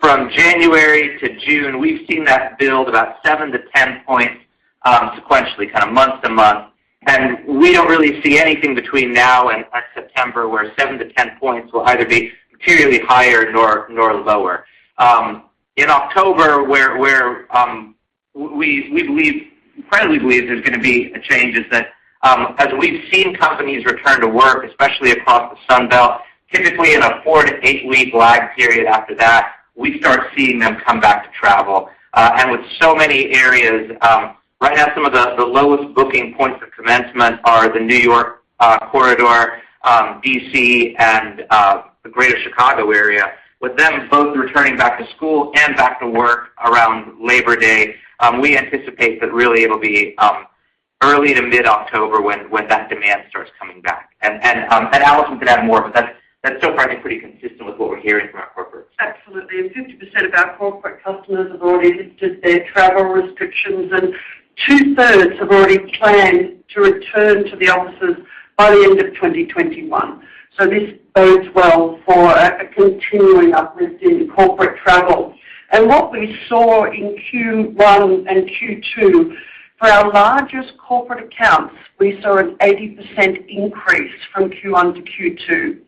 G: From January to June, we've seen that build about 7-10 points sequentially kind of month to month, and we don't really see anything between now and September where 7-10 points will either be materially higher nor lower. In October, we believe there's going to be a change as we've seen companies return to work, especially across the Sun Belt. Typically, in a 4- to 8-week lag period after that, we start seeing them come back to travel. With so many areas right now, some of the lowest booking points of commencement are the New York corridor, D.C., and the Greater Chicago area. With them both returning back to school and back to work around Labor Day, we anticipate that really it'll be early to mid-October when that demand starts coming back. Alison can add more, but that's so far been pretty consistent with what we're hearing from our corporates.
H: Absolutely. 50% of our corporate customers have already lifted their travel restrictions, and two-thirds have already planned to return to the offices by the end of 2021. This bodes well for a continuing uplift in corporate travel. What we saw in Q1 and Q2, for our largest corporate accounts, we saw an 80% increase from Q1 to Q2.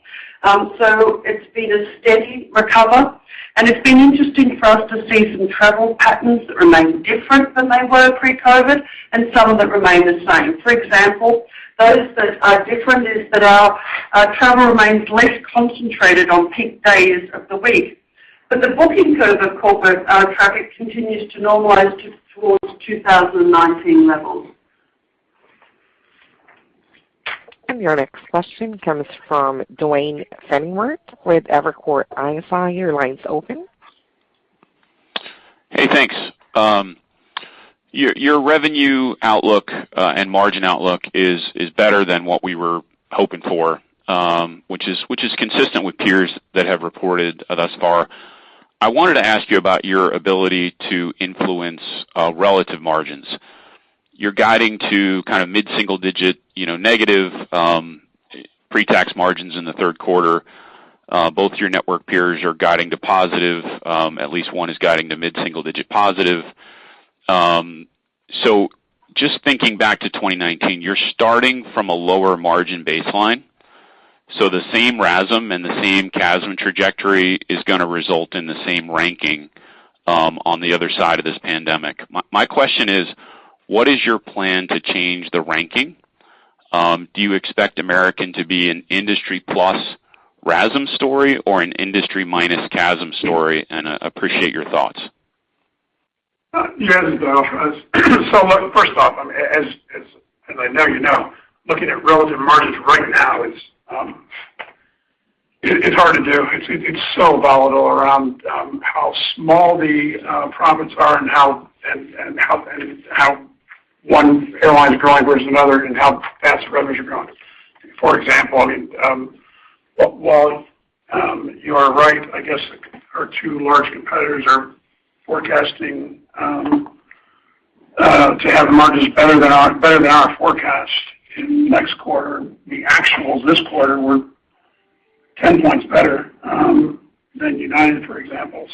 H: It's been a steady recovery, and it's been interesting for us to see some travel patterns that remain different than they were pre-COVID and some that remain the same. For example, those that are different is that our travel remains less concentrated on peak days of the week. The booking curve of corporate traffic continues to normalize towards 2019 levels.
A: Your next question comes from Duane Pfennigwerth with Evercore ISI. Your line's open.
L: Hey, thanks. Your revenue outlook and margin outlook is better than what we were hoping for, which is consistent with peers that have reported thus far. I wanted to ask you about your ability to influence relative margins. You're guiding to mid-single-digit negative pretax margins in the third quarter. Both your network peers are guiding to positive. At least one is guiding to mid-single-digit positive. Just thinking back to 2019, you're starting from a lower margin baseline, the same RASM and the same CASM trajectory is going to result in the same ranking on the other side of this pandemic. My question is, what is your plan to change the ranking? Do you expect American to be an industry-plus RASM story or an industry-minus CASM story? I appreciate your thoughts.
C: Yes, Duane. Look, first off, as I know you know, looking at relative margins right now, it's hard to do. It's so volatile around how small the profits are and how one airline's growing versus another and how fast the revenues are growing. For example, while you are right, I guess our 2 large competitors are forecasting to have margins better than our forecast in the next quarter. The actuals this quarter were 10 points better than United, for example.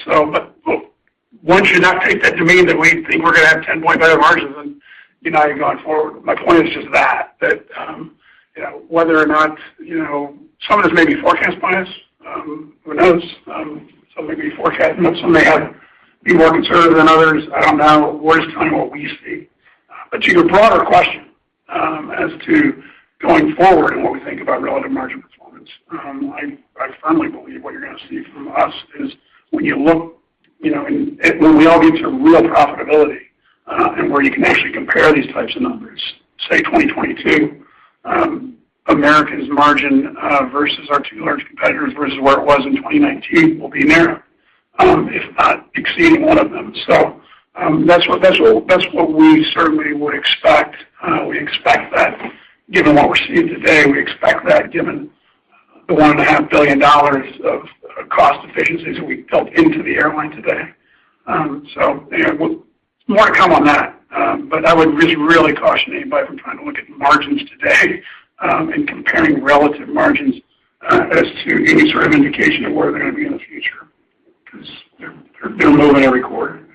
C: One should not take that to mean that we think we're going to have 10-point better margins than United going forward. My point is just that whether or not some of this may be forecast bias, who knows? Some may be forecast, some may be more conservative than others. I don't know. We're just telling you what we see. To your broader question as to going forward and what we think about relative margin performance, I firmly believe what you're going to see from us is when we all get to real profitability and where you can actually compare these types of numbers, say 2022, American's margin versus our two large competitors versus where it was in 2019 will be narrow, if not exceeding 1 of them. That's what we certainly would expect. Given what we're seeing today, we expect that given the $1.5 billion of cost efficiencies that we built into the airline today. More to come on that. I would really caution anybody from trying to look at margins today and comparing relative margins as to any sort of indication of where they're going to be in the future because they're moving every quarter.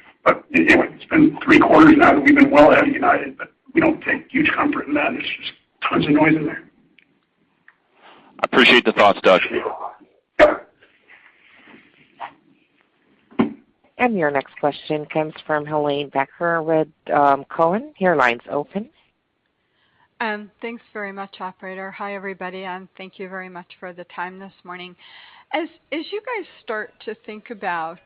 C: It's been three quarters now that we've been well ahead of United, but we don't take huge comfort in that. There's just tons of noise in there.
L: I appreciate the thoughts, Doug.
A: Your next question comes from Helane Becker with Cowen. Your line's open.
M: Thanks very much, operator. Hi, everybody, thank you very much for the time this morning. As you guys start to think about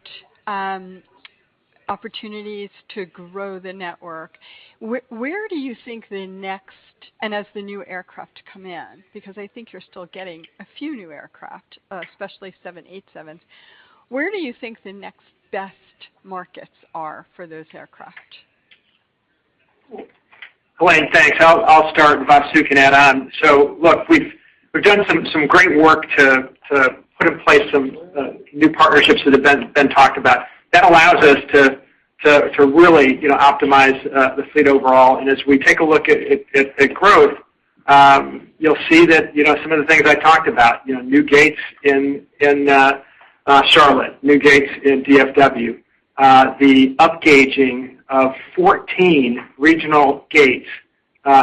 M: opportunities to grow the network and as the new aircraft come in, because I think you're still getting a few new aircraft, especially 787s, where do you think the next best markets are for those aircraft?
D: Helane, thanks. I'll start, and Vasu can add on. Look, we've done some great work to put in place some new partnerships that have been talked about that allows us to really optimize the fleet overall. As we take a look at growth, you'll see that some of the things I talked about, new gates in Charlotte, new gates in DFW, the upgauging of 14 regional gates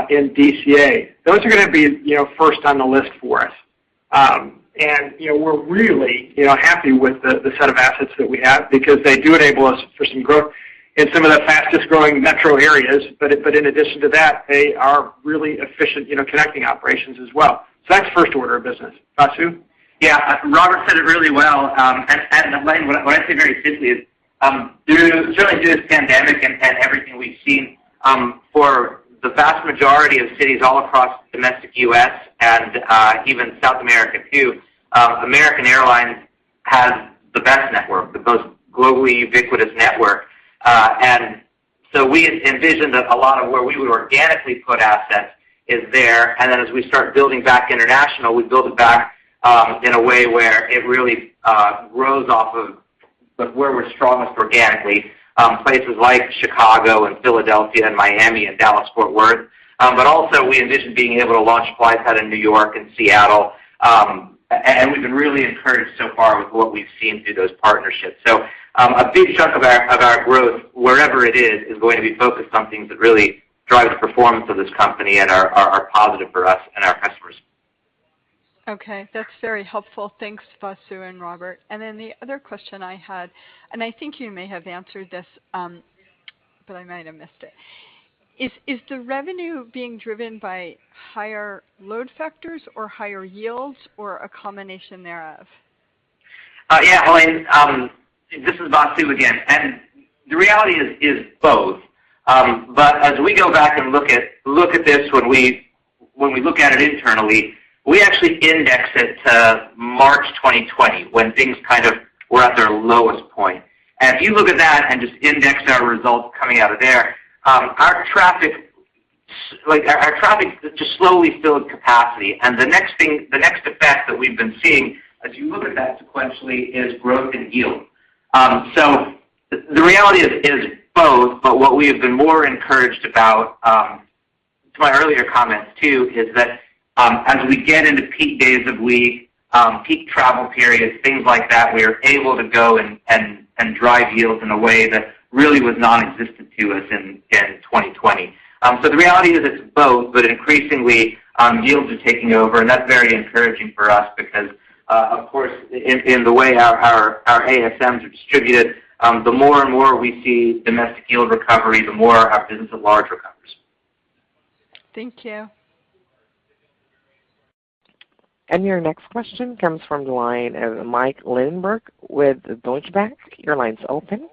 D: in DCA. Those are going to be first on the list for us. We're really happy with the set of assets that we have because they do enable us for some growth in some of the fastest-growing metro areas. In addition to that, they are really efficient connecting operations as well. That's first order of business. Vasu?
G: Yeah. Robert said it really well. Helane, what I say very simply is certainly through this pandemic and everything we've seen for the vast majority of cities all across domestic U.S. and even South America too, American Airlines has the best network, the most globally ubiquitous network. We envision that a lot of where we would organically put assets is there, then as we start building back international, we build it back in a way where it really grows off of where we're strongest organically, places like Chicago and Philadelphia and Miami and Dallas, Fort Worth. Also we envision being able to launch Fly-Fi in New York and Seattle. We've been really encouraged so far with what we've seen through those partnerships. A big chunk of our growth, wherever it is going to be focused on things that really drive the performance of this company and are positive for us and our customers.
M: Okay. That's very helpful. Thanks, Vasu and Robert. The other question I had, and I think you may have answered this, but I might have missed it. Is the revenue being driven by higher load factors or higher yields or a combination thereof?
G: Yeah, Helane, this is Vasu again. The reality is both. As we go back and look at this when we look at it internally, we actually index it to March 2020, when things kind of were at their lowest point. If you look at that and just index our results coming out of there, our traffic just slowly filled capacity. The next effect that we've been seeing, as you look at that sequentially, is growth in yield. The reality is both, but what we have been more encouraged about, to my earlier comments too, is that as we get into peak days of week, peak travel periods, things like that, we are able to go and drive yields in a way that really was nonexistent to us in 2020. The reality is it's both, but increasingly yields are taking over, and that's very encouraging for us because, of course, in the way our ASMs are distributed, the more and more we see domestic yield recovery, the more our business at large recovers.
M: Thank you.
A: Your next question comes from the line of Michael Linenberg with Deutsche Bank. Your line's open.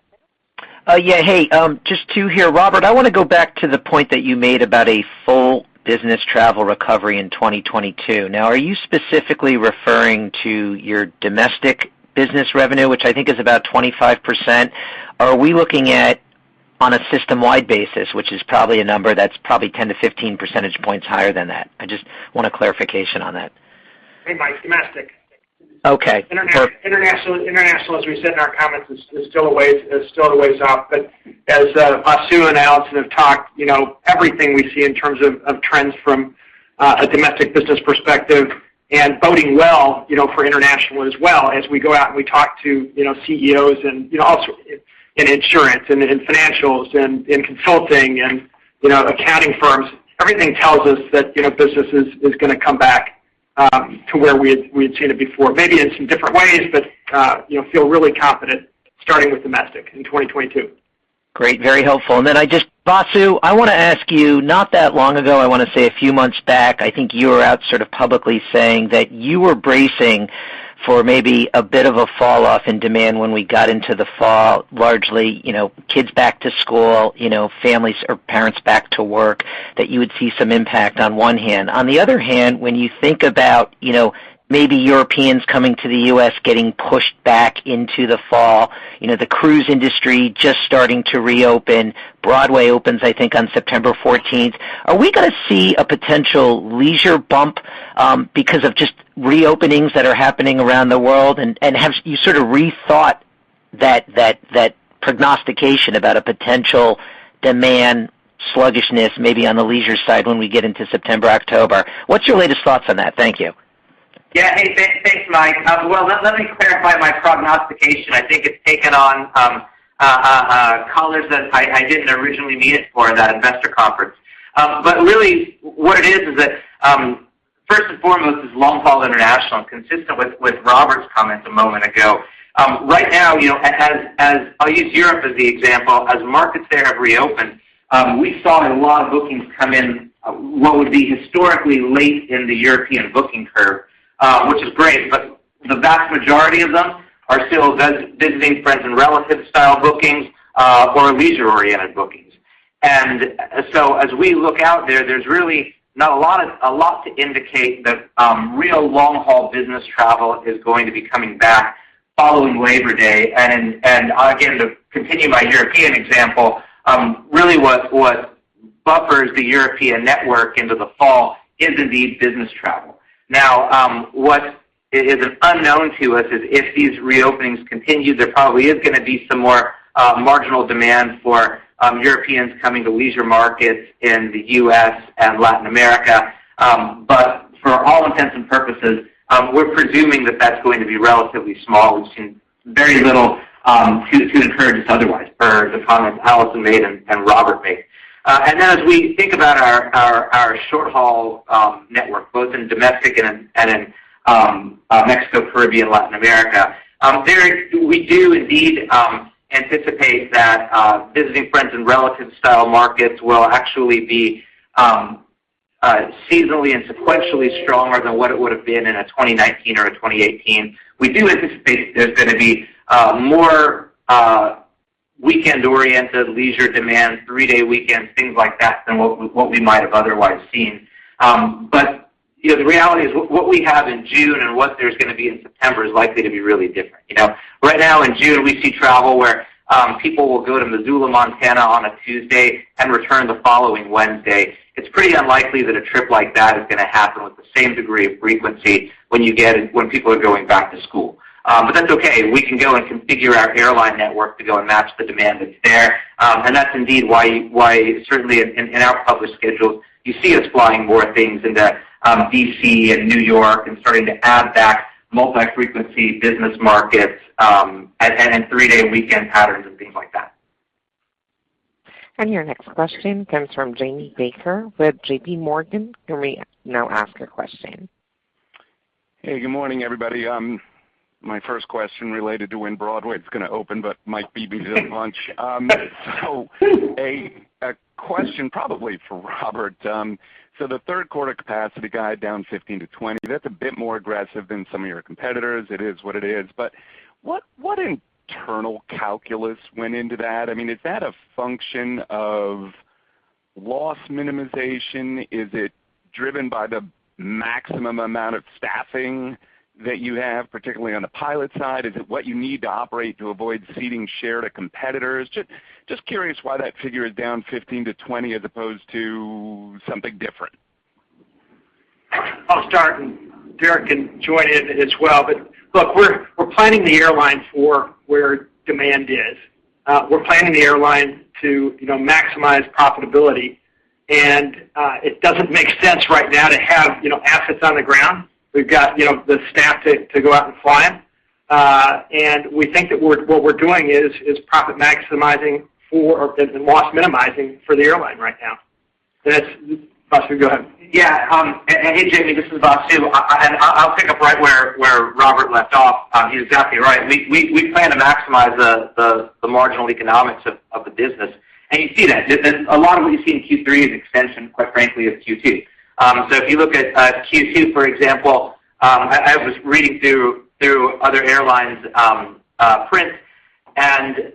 N: Yeah. Hey, just two here. Robert, I want to go back to the point that you made about a full business travel recovery in 2022. Are you specifically referring to your domestic business revenue, which I think is about 25%? Are we looking at on a system-wide basis, which is probably a number that's probably 10-15 percentage points higher than that? I just want a clarification on that.
D: Hey, Michael. Domestic.
N: Okay.
D: International, as we said in our comments, is still a ways off. As Vasu and Alison have talked, everything we see in terms of trends from a domestic business perspective and boding well for international as well, as we go out and we talk to CEOs and also in insurance and in financials and in consulting and accounting firms, everything tells us that business is going to come back to where we had seen it before, maybe in some different ways, but feel really confident starting with domestic in 2022.
N: Great. Very helpful. Then just, Vasu, I want to ask you, not that long ago, I want to say a few months back, I think you were out sort of publicly saying that you were bracing for maybe a bit of a fall off in demand when we got into the fall, largely, kids back to school, families or parents back to work, that you would see some impact on 1 hand. On the other hand, when you think about maybe Europeans coming to the U.S. getting pushed back into the fall, the cruise industry just starting to reopen. Broadway opens, I think, on September 14th. Are we going to see a potential leisure bump because of just reopenings that are happening around the world? Have you sort of rethought that prognostication about a potential demand sluggishness maybe on the leisure side when we get into September, October? What's your latest thoughts on that? Thank you.
G: Hey, thanks, Mike. Well, let me clarify my prognostication. I think it's taken on colors that I didn't originally mean it for that investor conference. Really what it is that first and foremost is long-haul international, and consistent with Robert's comments a moment ago. Right now, I'll use Europe as the example. As markets there have reopened, we saw a lot of bookings come in what would be historically late in the European booking curve, which is great, but the vast majority of them are still visiting friends and relatives style bookings or leisure-oriented bookings. As we look out there's really not a lot to indicate that real long-haul business travel is going to be coming back following Labor Day. Again, to continue my European example, really what buffers the European network into the fall is indeed business travel. What is an unknown to us is if these reopenings continue, there probably is going to be some more marginal demand for Europeans coming to leisure markets in the U.S. and Latin America. For all intents and purposes, we're presuming that that's going to be relatively small. We've seen very little to encourage us otherwise, per the comments Alison made and Robert made. As we think about our short-haul network, both in domestic and in Mexico, Caribbean, Latin America, there we do indeed anticipate that visiting friends and relatives style markets will actually be seasonally and sequentially stronger than what it would have been in a 2019 or a 2018. We do anticipate there's going to be more weekend-oriented leisure demand, three-day weekends, things like that, than what we might have otherwise seen. The reality is what we have in June and what there's going to be in September is likely to be really different. Right now in June, we see travel where people will go to Missoula, Montana on a Tuesday and return the following Wednesday. It's pretty unlikely that a trip like that is going to happen with the same degree of frequency when people are going back to school. That's okay, we can go and configure our airline network to go and match the demand that's there, and that's indeed why certainly in our published schedules, you see us flying more things into D.C. and New York and starting to add back multi-frequency business markets, and three-day weekend patterns and things like that.
A: Your next question comes from Jamie Baker with JPMorgan. You may now ask your question.
O: Hey, good morning, everybody. My first question related to when Broadway is going to open. Mike beat me to the punch. A question probably for Robert. The third quarter capacity guide down 15%-20%, that's a bit more aggressive than some of your competitors. It is what it is. What internal calculus went into that? Is that a function of loss minimization? Is it driven by the maximum amount of staffing that you have, particularly on the pilot side? Is it what you need to operate to avoid ceding share to competitors? Just curious why that figure is down 15%-20% as opposed to something different.
D: I'll start. Derek can join in as well. Look, we're planning the airline for where demand is. We're planning the airline to maximize profitability, and it doesn't make sense right now to have assets on the ground. We've got the staff to go out and fly them. We think that what we're doing is profit maximizing for, or loss minimizing for the airline right now. Vasu, go ahead.
G: Hey, Jamie, this is Vasu. I'll pick up right where Robert left off. He's exactly right. We plan to maximize the marginal economics of the business. You see that. A lot of what you see in Q3 is an extension, quite frankly, of Q2. If you look at Q2, for example, I was reading through other airlines prints, and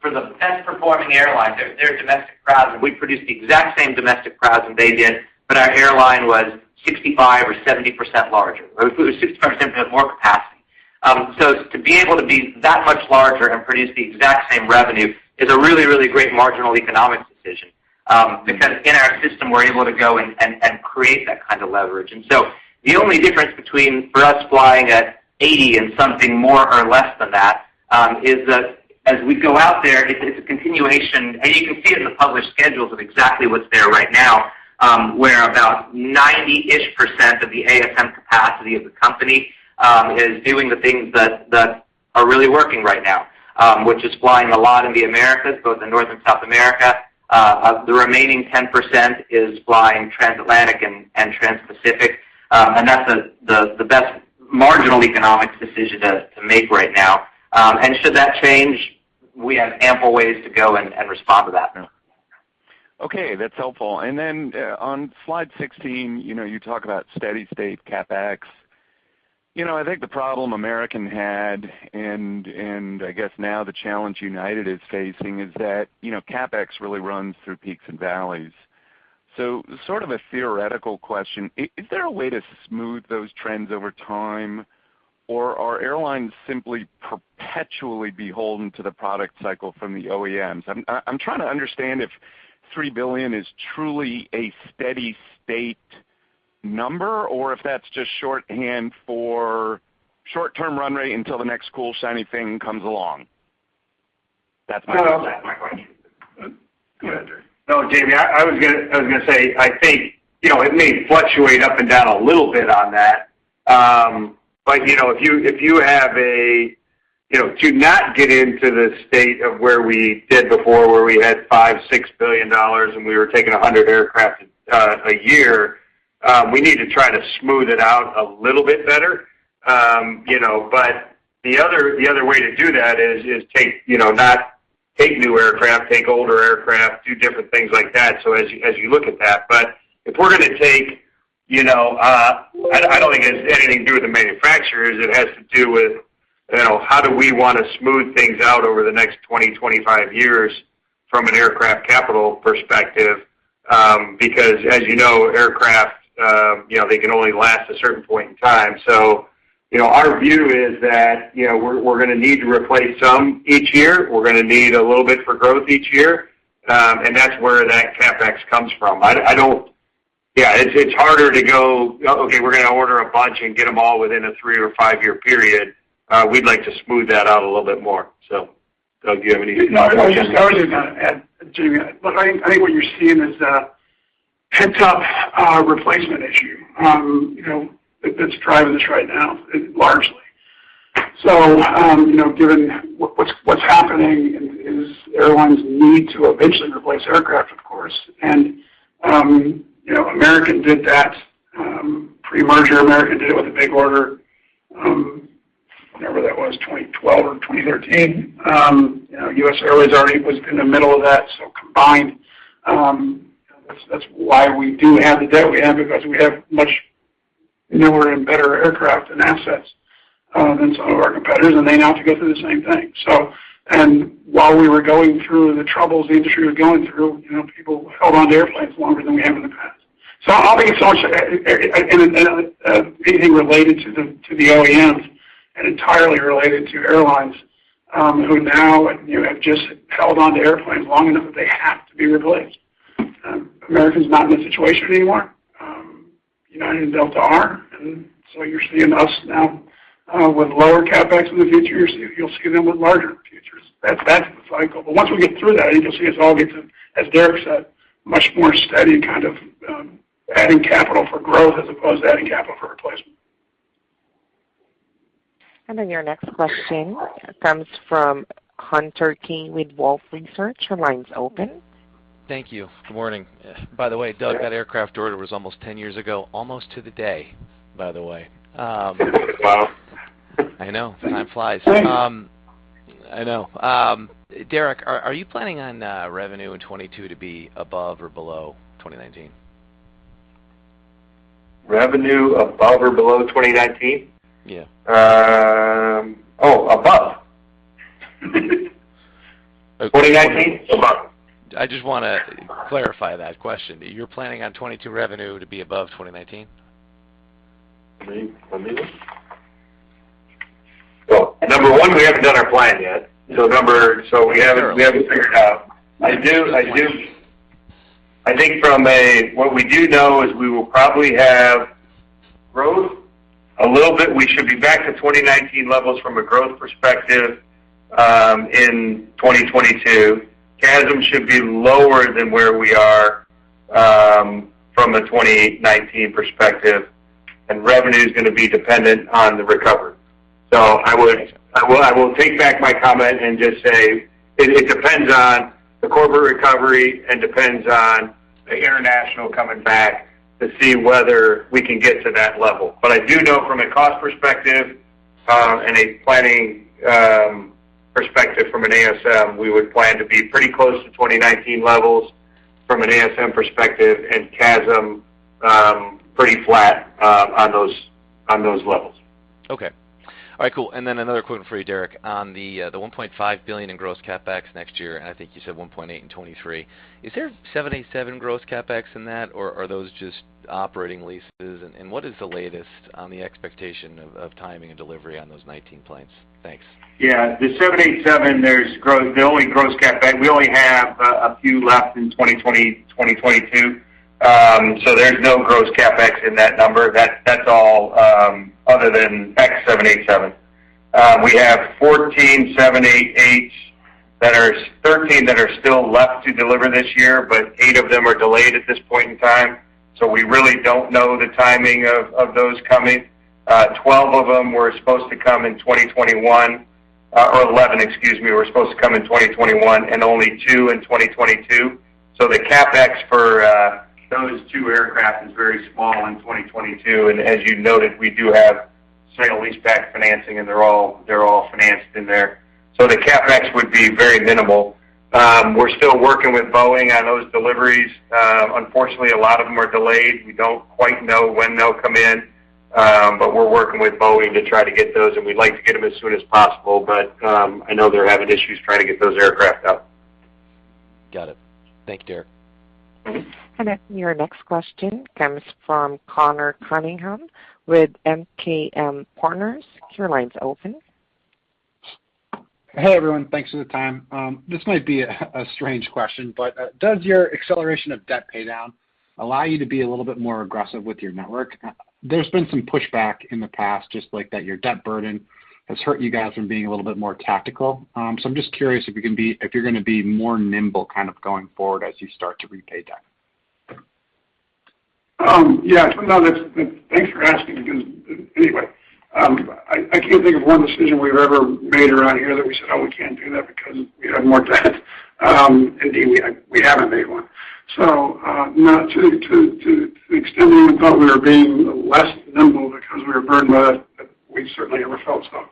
G: for the best-performing airlines, their domestic PRASM, we produced the exact same domestic PRASM they did, but our airline was 65% or 70% larger. We had 60% more capacity. To be able to be that much larger and produce the exact same revenue is a really, really great marginal economics decision because in our system, we're able to go and create that kind of leverage. The only difference between, for us flying at 80 and something more or less than that, is that as we go out there, it's a continuation, and you can see it in the published schedules of exactly what's there right now, where about 90-ish% of the ASM capacity of the company is doing the things that are really working right now, which is flying a lot in the Americas, both in North and South America. The remaining 10% is flying transatlantic and transpacific, and that's the best marginal economics decision to make right now. Should that change, we have ample ways to go and respond to that now.
O: Okay, that's helpful. Then on slide 16, you talk about steady state CapEx. I think the problem American had and I guess now the challenge United is facing is that CapEx really runs through peaks and valleys. Sort of a theoretical question, is there a way to smooth those trends over time? Are airlines simply perpetually beholden to the product cycle from the OEMs? I'm trying to understand if $3 billion is truly a steady state number, or if that's just shorthand for short-term run rate until the next cool, shiny thing comes along. That's my question.
D: Go ahead, Derek.
E: No, Jamie, I was going to say, I think, it may fluctuate up and down a little bit on that. To not get into the state of where we did before, where we had $5 billion-$6 billion, and we were taking 100 aircraft a year, we need to try to smooth it out a little bit better. The other way to do that is not take new aircraft, take older aircraft, do different things like that, as you look at that. If we're going to take, I don't think it has anything to do with the manufacturers, it has to do with how do we want to smooth things out over the next 20-25 years from an aircraft capital perspective because as you know, aircraft can only last a certain point in time. Our view is that we're going to need to replace some each year. We're going to need a little bit for growth each year, and that's where that CapEx comes from. It's harder to go, "Okay, we're going to order a bunch and get them all within a 3- or 5-year period." We'd like to smooth that out a little bit more. Doug, do you have anything to add to that?
C: I was just going to add, Jamie, I think what you're seeing is a pent-up replacement issue that's driving this right now, largely. Given what's happening is airlines need to eventually replace aircraft, of course. American did that. Pre-merger American did it with a big order, whenever that was, 2012 or 2013. US Airways already was in the middle of that, combined, that's why we do have the debt we have because we have much newer and better aircraft and assets than some of our competitors, and they now have to go through the same thing. While we were going through the troubles the industry was going through, people held onto airplanes longer than we have in the past. Obviously, anything related to the OEMs Entirely related to airlines who now have just held onto airplanes long enough that they have to be replaced. American's not in a situation anymore. United and Delta are. You're seeing us now with lower CapEx in the future. You'll see them with larger futures. That's the cycle. Once we get through that, you'll see us all get to, as Derek said, much more steady kind of adding capital for growth as opposed to adding capital for replacement.
A: Your next question comes from Hunter Keay with Wolfe Research. Your line's open.
P: Thank you. Good morning. By the way, Doug, that aircraft order was almost 10 years ago, almost to the day, by the way.
C: Wow.
P: I know. Time flies.
C: Thanks.
P: I know. Derek, are you planning on revenue in 2022 to be above or below 2019?
E: Revenue above or below 2019?
P: Yeah.
E: Oh, above. 2019? Above.
P: I just want to clarify that question. You're planning on 2022 revenue to be above 2019?
E: For me? Well, number one, we haven't done our plan yet. We haven't figured out. I think from what we do know is we will probably have growth a little bit. We should be back to 2019 levels from a growth perspective, in 2022. CASM should be lower than where we are from a 2019 perspective, and revenue's going to be dependent on the recovery. I will take back my comment and just say it depends on the corporate recovery and depends on the international coming back to see whether we can get to that level. I do know from a cost perspective, and a planning perspective from an ASM, we would plan to be pretty close to 2019 levels from an ASM perspective and CASM, pretty flat on those levels.
P: Okay. All right, cool. Another question for you, Derek. On the $1.5 billion in gross CapEx next year, and I think you said $1.8 billion in 2023. Is there 787 gross CapEx in that, or are those just operating leases? What is the latest on the expectation of timing and delivery on those 19 planes? Thanks.
E: Yeah. The 787, there's the only gross CapEx. We only have a few left in 2022, so there's no gross CapEx in that number. That's all other than 787. We have 13 that are still left to deliver this year, but eight of them are delayed at this point in time, so we really don't know the timing of those coming. 12 of them were supposed to come in 2021, or 11, excuse me, were supposed to come in 2021 and only two in 2022. The CapEx for those two aircraft is very small in 2022. As you noted, we do have single-leaseback financing and they're all financed in there. The CapEx would be very minimal. We're still working with Boeing on those deliveries. Unfortunately, a lot of them are delayed. We don't quite know when they'll come in, but we're working with Boeing to try to get those, and we'd like to get them as soon as possible. I know they're having issues trying to get those aircraft out.
P: Got it. Thank you, Derek.
A: Your next question comes from Conor Cunningham with MKM Partners. Your line's open.
Q: Hey, everyone. Thanks for the time. This might be a strange question, does your acceleration of debt pay down allow you to be a little bit more aggressive with your network? There's been some pushback in the past just like that your debt burden has hurt you guys from being a little bit more tactical. I'm just curious if you're going to be more nimble kind of going forward as you start to repay debt.
C: Yeah. No, thanks for asking because anyway, I can't think of one decision we've ever made around here that we said, "Oh, we can't do that because we have more debt." Indeed, we haven't made one. To the extent anyone thought we were being less nimble because we were burdened by that, we've certainly never felt so.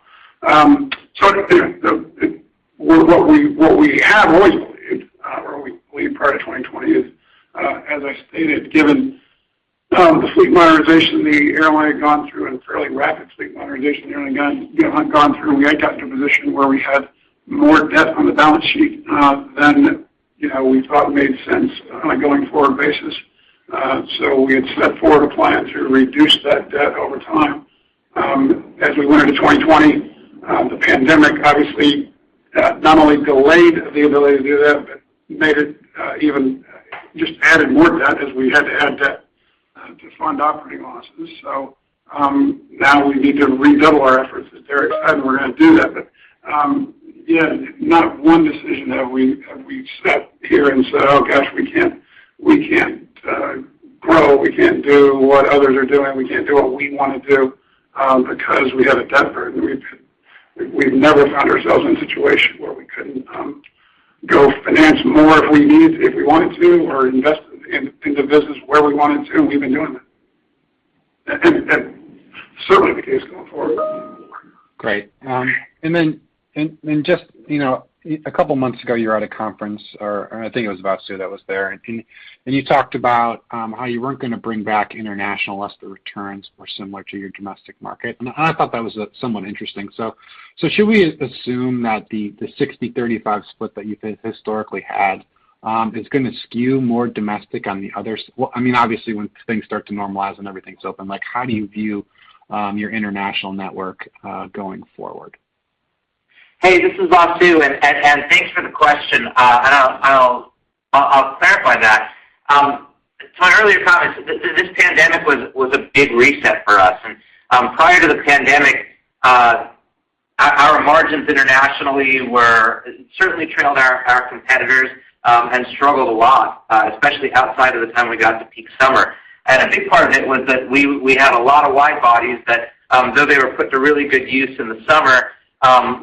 C: Anyway, what we have always believed, or we believed prior to 2020 is, as I stated, given the fleet modernization the airline had gone through and fairly rapid fleet modernization the airline had gone through, we had got to a position where we had more debt on the balance sheet, than we thought made sense on a going forward basis. We had set forward a plan to reduce that debt over time. As we went into 2020, the pandemic obviously not only delayed the ability to do that, but just added more debt as we had to add debt to fund operating losses. Now we need to redouble our efforts, as Derek said, and we're going to do that. Yeah, not 1 decision have we sat here and said, "Oh, gosh, we can't grow, we can't do what others are doing. We can't do what we want to do because we have a debt burden." We've never found ourselves in a situation where we couldn't go finance more if we wanted to, or invest in the business where we wanted to, and we've been doing that. Certainly the case going forward.
Q: Great. Just a couple of months ago, you were at a conference, or I think it was Vasu that was there, you talked about how you weren't going to bring back international unless the returns were similar to your domestic market. I thought that was somewhat interesting. Should we assume that the 60/35 split that you historically had is going to skew more domestic on the other obviously when things start to normalize and everything's open, how do you view your international network going forward?
G: Hey, this is Vasu. Thanks for the question. I'll clarify that. To my earlier comments, this pandemic was a big reset for us. Prior to the pandemic, our margins internationally certainly trailed our competitors and struggled a lot, especially outside of the time we got to peak summer. A big part of it was that we had a lot of wide-bodies that, though they were put to really good use in the summer,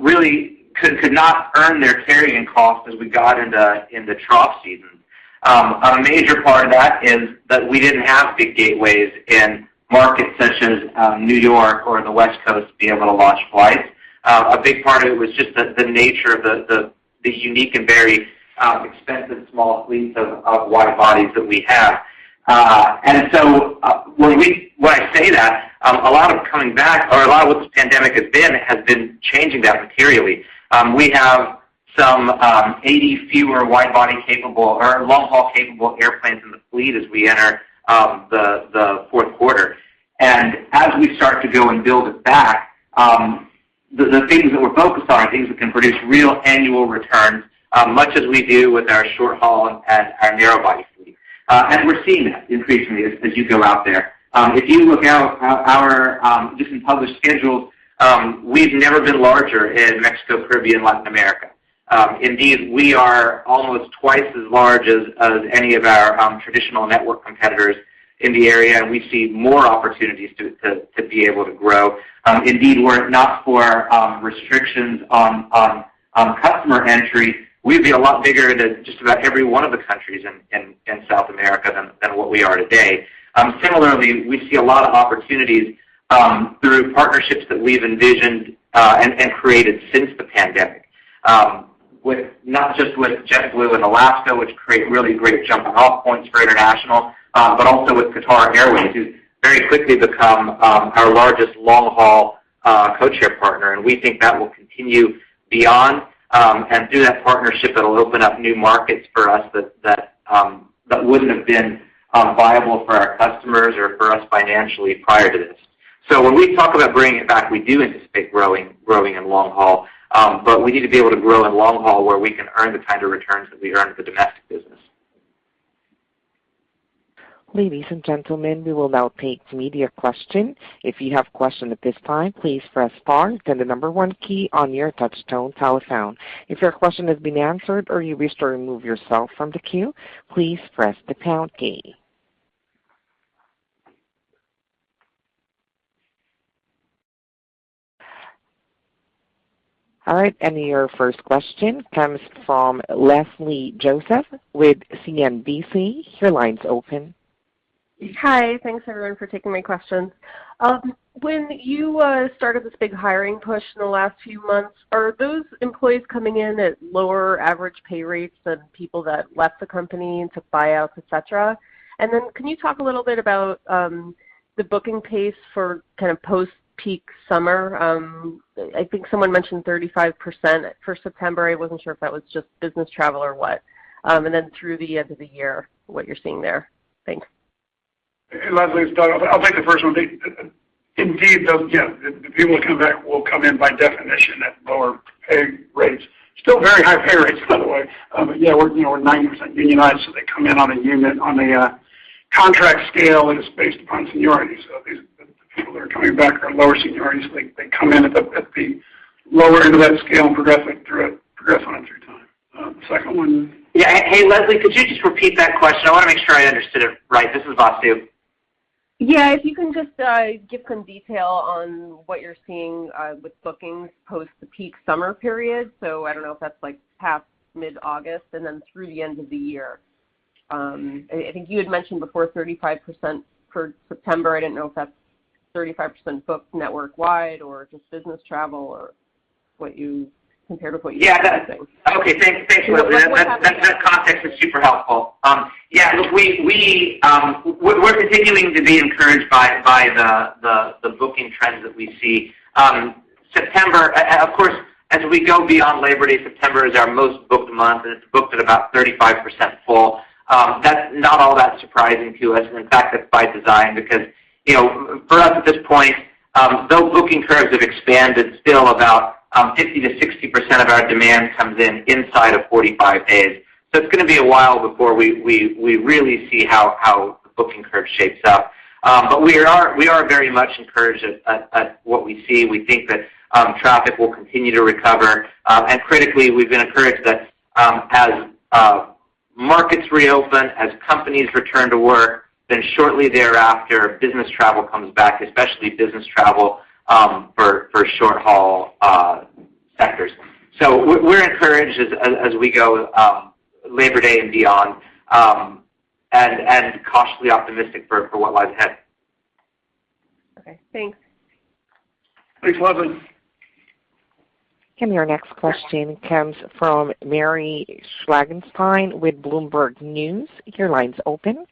G: really could not earn their carrying costs as we got into trough season. A major part of that is that we didn't have big gateways in markets such as New York or the West Coast to be able to launch flights. A big part of it was just the nature of the unique and very expensive small fleet of wide-bodies that we have. When I say that, a lot of coming back or a lot of what this pandemic has been, has been changing that materially. We have some 80 fewer wide-body capable or long-haul capable airplanes in the fleet as we enter the fourth quarter. As we start to go and build it back, the things that we're focused on are things that can produce real annual returns, much as we do with our short-haul and our narrow-body fleet. We're seeing that increasingly as you go out there. If you look out our recently published schedules, we've never been larger in Mexico, Caribbean, Latin America. Indeed, we are almost twice as large as any of our traditional network competitors in the area, and we see more opportunities to be able to grow. Indeed, were it not for restrictions on customer entry, we'd be a lot bigger than just about every one of the countries in South America than what we are today. Similarly, we see a lot of opportunities through partnerships that we've envisioned and created since the pandemic, not just with JetBlue and Alaska, which create really great jumping-off points for international, but also with Qatar Airways, who very quickly become our largest long-haul codeshare partner. We think that will continue beyond. Through that partnership, it'll open up new markets for us that wouldn't have been viable for our customers or for us financially prior to this. When we talk about bringing it back, we do anticipate growing in long-haul. We need to be able to grow in long-haul where we can earn the kind of returns that we earn for domestic business.
A: Ladies and gentlemen, we will now take media questions. If you have question at this time, please press star, then the number one key on your touch-tone telephone. If your question has been answered or you wish to remove yourself from the queue, please press the pound key. All right, your first question comes from Leslie Josephs with CNBC. Your line's open.
R: Hi. Thanks, everyone, for taking my questions. When you started this big hiring push in the last few months, are those employees coming in at lower average pay rates than people that left the company and took buyouts, et cetera? Can you talk a little bit about the booking pace for kind of post-peak summer? I think someone mentioned 35% for September. I wasn't sure if that was just business travel or what. Through the end of the year, what you're seeing there? Thanks.
C: Hey, Leslie, it's Doug. I'll take the first one. Indeed, the people that come back will come in, by definition, at lower pay rates. Still very high pay rates, by the way. Yeah, we're 90% unionized, so they come in on a unit, on a contract scale that is based upon seniority. The people that are coming back are lower seniority, so they come in at the lower end of that scale and progress on it through time. The second one?
G: Yeah. Hey, Leslie, could you just repeat that question? I want to make sure I understood it right. This is Vasu.
R: Yeah. If you can just give some detail on what you're seeing with bookings post the peak summer period. I don't know if that's like past mid-August and then through the end of the year. I think you had mentioned before 35% for September. I didn't know if that's 35% booked network-wide or just business travel or what you compared with.
G: Okay, thanks, Leslie. That context is super helpful. We're continuing to be encouraged by the booking trends that we see. September, of course, as we go beyond Labor Day, September is our most booked month. It's booked at about 35% full. That's not all that surprising to us. In fact, that's by design because, for us at this point, though booking curves have expanded, still about 50%-60% of our demand comes in inside of 45 days. It's going to be a while before we really see how the booking curve shapes up. We are very much encouraged at what we see. We think that traffic will continue to recover. Critically, we've been encouraged that as markets reopen, as companies return to work, shortly thereafter, business travel comes back, especially business travel for short-haul sectors. We're encouraged as we go Labor Day and beyond, and cautiously optimistic for what lies ahead.
R: Okay, thanks.
C: Thanks, Leslie.
A: Your next question comes from Mary Schlangenstein with Bloomberg News. Your line's open.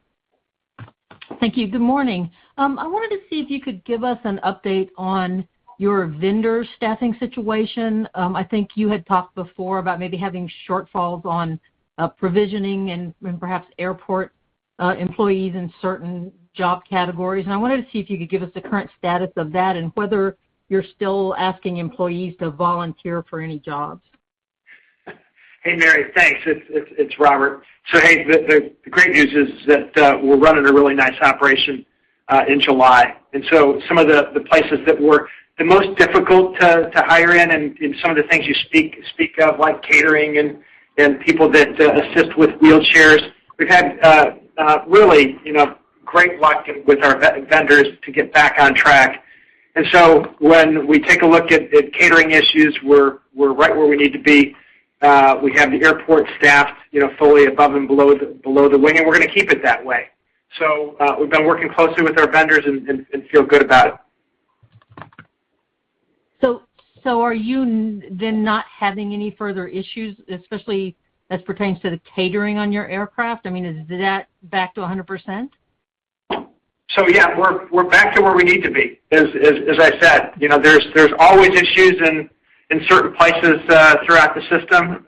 S: Thank you. Good morning. I wanted to see if you could give us an update on your vendor staffing situation. I think you had talked before about maybe having shortfalls on provisioning and perhaps airport employees in certain job categories. I wanted to see if you could give us the current status of that and whether you're still asking employees to volunteer for any jobs.
D: Hey, Mary. Thanks. It's Robert. Hey, the great news is that we're running a really nice operation in July. Some of the places that were the most difficult to hire in and some of the things you speak of, like catering and people that assist with wheelchairs, we've had really great luck with our vendors to get back on track. When we take a look at catering issues, we're right where we need to be. We have the airport staffed fully above and below the wing, and we're going to keep it that way. We've been working closely with our vendors and feel good about it.
S: Are you then not having any further issues, especially as pertains to the catering on your aircraft? Is that back to 100%?
D: Yeah, we're back to where we need to be. As I said, there's always issues in certain places throughout the system.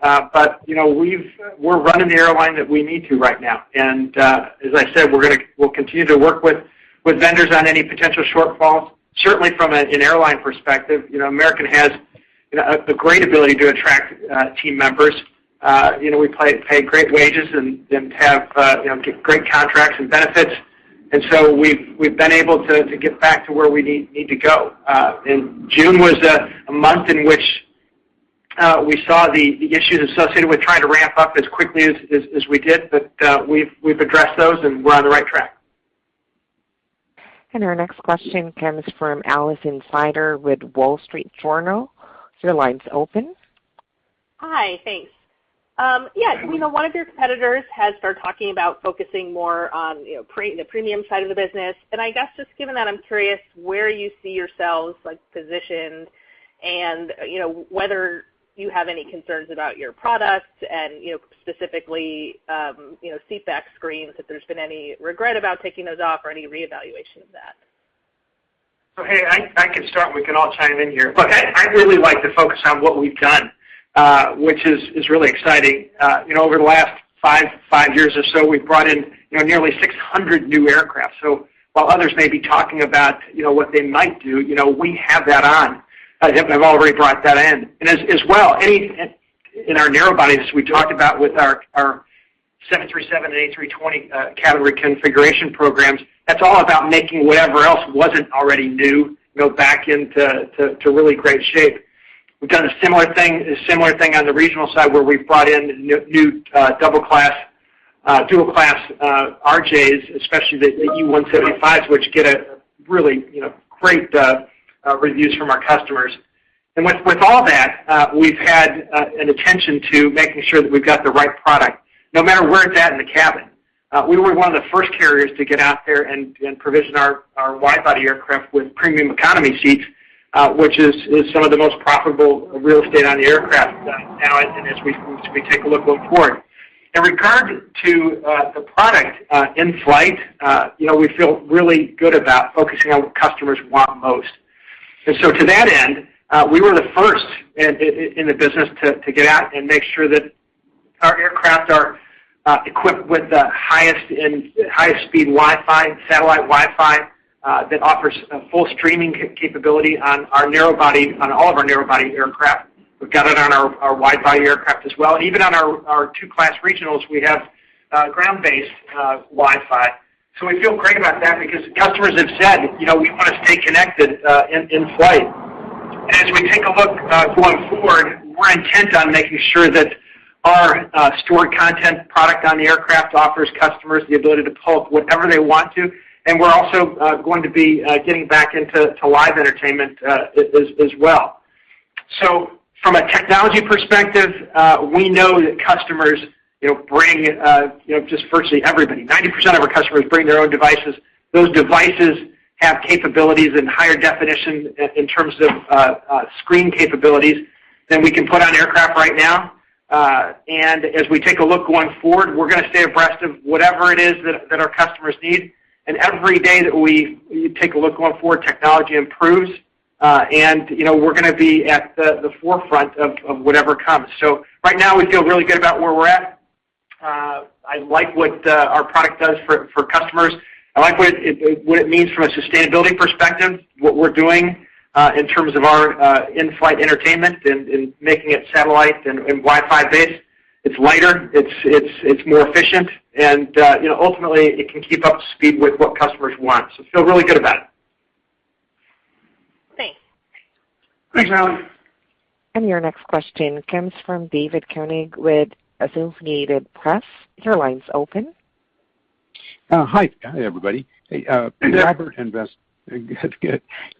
D: We're running the airline that we need to right now, and as I said, we'll continue to work with vendors on any potential shortfalls. Certainly from an airline perspective, American has a great ability to attract team members. We pay great wages and have great contracts and benefits, and we've been able to get back to where we need to go. June was a month in which we saw the issues associated with trying to ramp up as quickly as we did, but we've addressed those, and we're on the right track.
A: Our next question comes from Alison Sider with Wall Street Journal. Your line's open.
T: Hi, thanks. Yeah, one of your competitors has started talking about focusing more on the premium side of the business. I guess just given that, I'm curious where you see yourselves positioned and whether you have any concerns about your product and specifically seat back screens, if there's been any regret about taking those off or any re-evaluation of that.
D: Hey, I can start, and we can all chime in here. I'd really like to focus on what we've done, which is really exciting. Over the last 5 years or so, we've brought in nearly 600 new aircraft. While others may be talking about what they might do, we have already brought that in. As well, in our narrow bodies, we talked about with our 737 and A321 cabin reconfiguration programs. That's all about making whatever else wasn't already new go back into really great shape. We've done a similar thing on the regional side, where we've brought in new dual-class RJs, especially the E175s, which get really great reviews from our customers. With all that, we've had an attention to making sure that we've got the right product, no matter where it's at in the cabin. We were one of the first carriers to get out there and provision our wide-body aircraft with premium economy seats, which is some of the most profitable real estate on the aircraft now and as we take a look going forward. In regard to the product in flight, we feel really good about focusing on what customers want most. To that end, we were the first in the business to get out and make sure that our aircraft are equipped with the highest speed satellite Wi-Fi that offers full streaming capability on all of our narrow-body aircraft. We've got it on our wide-body aircraft as well. Even on our two-class regionals, we have ground-based Wi-Fi. We feel great about that because customers have said, we want to stay connected in flight. As we take a look going forward, we are intent on making sure that our stored content product on the aircraft offers customers the ability to pull up whatever they want to, and we are also going to be getting back into live entertainment as well. From a technology perspective, we know that customers bring, just virtually everybody, 90% of our customers bring their own devices. Those devices have capabilities and higher definition in terms of screen capabilities than we can put on aircraft right now. As we take a look going forward, we are going to stay abreast of whatever it is that our customers need. Every day that we take a look going forward, technology improves, and we are going to be at the forefront of whatever comes. Right now, we feel really good about where we are at. I like what our product does for customers. I like what it means from a sustainability perspective, what we're doing in terms of our in-flight entertainment and making it satellite and Wi-Fi based. It's lighter, it's more efficient, and ultimately, it can keep up to speed with what customers want. I feel really good about it.
T: Thanks.
D: Thanks, Alison.
A: Your next question comes from David Koenig with Associated Press. Your line's open.
U: Hi. Hi, everybody.
D: Hey.
U: Good. Robert and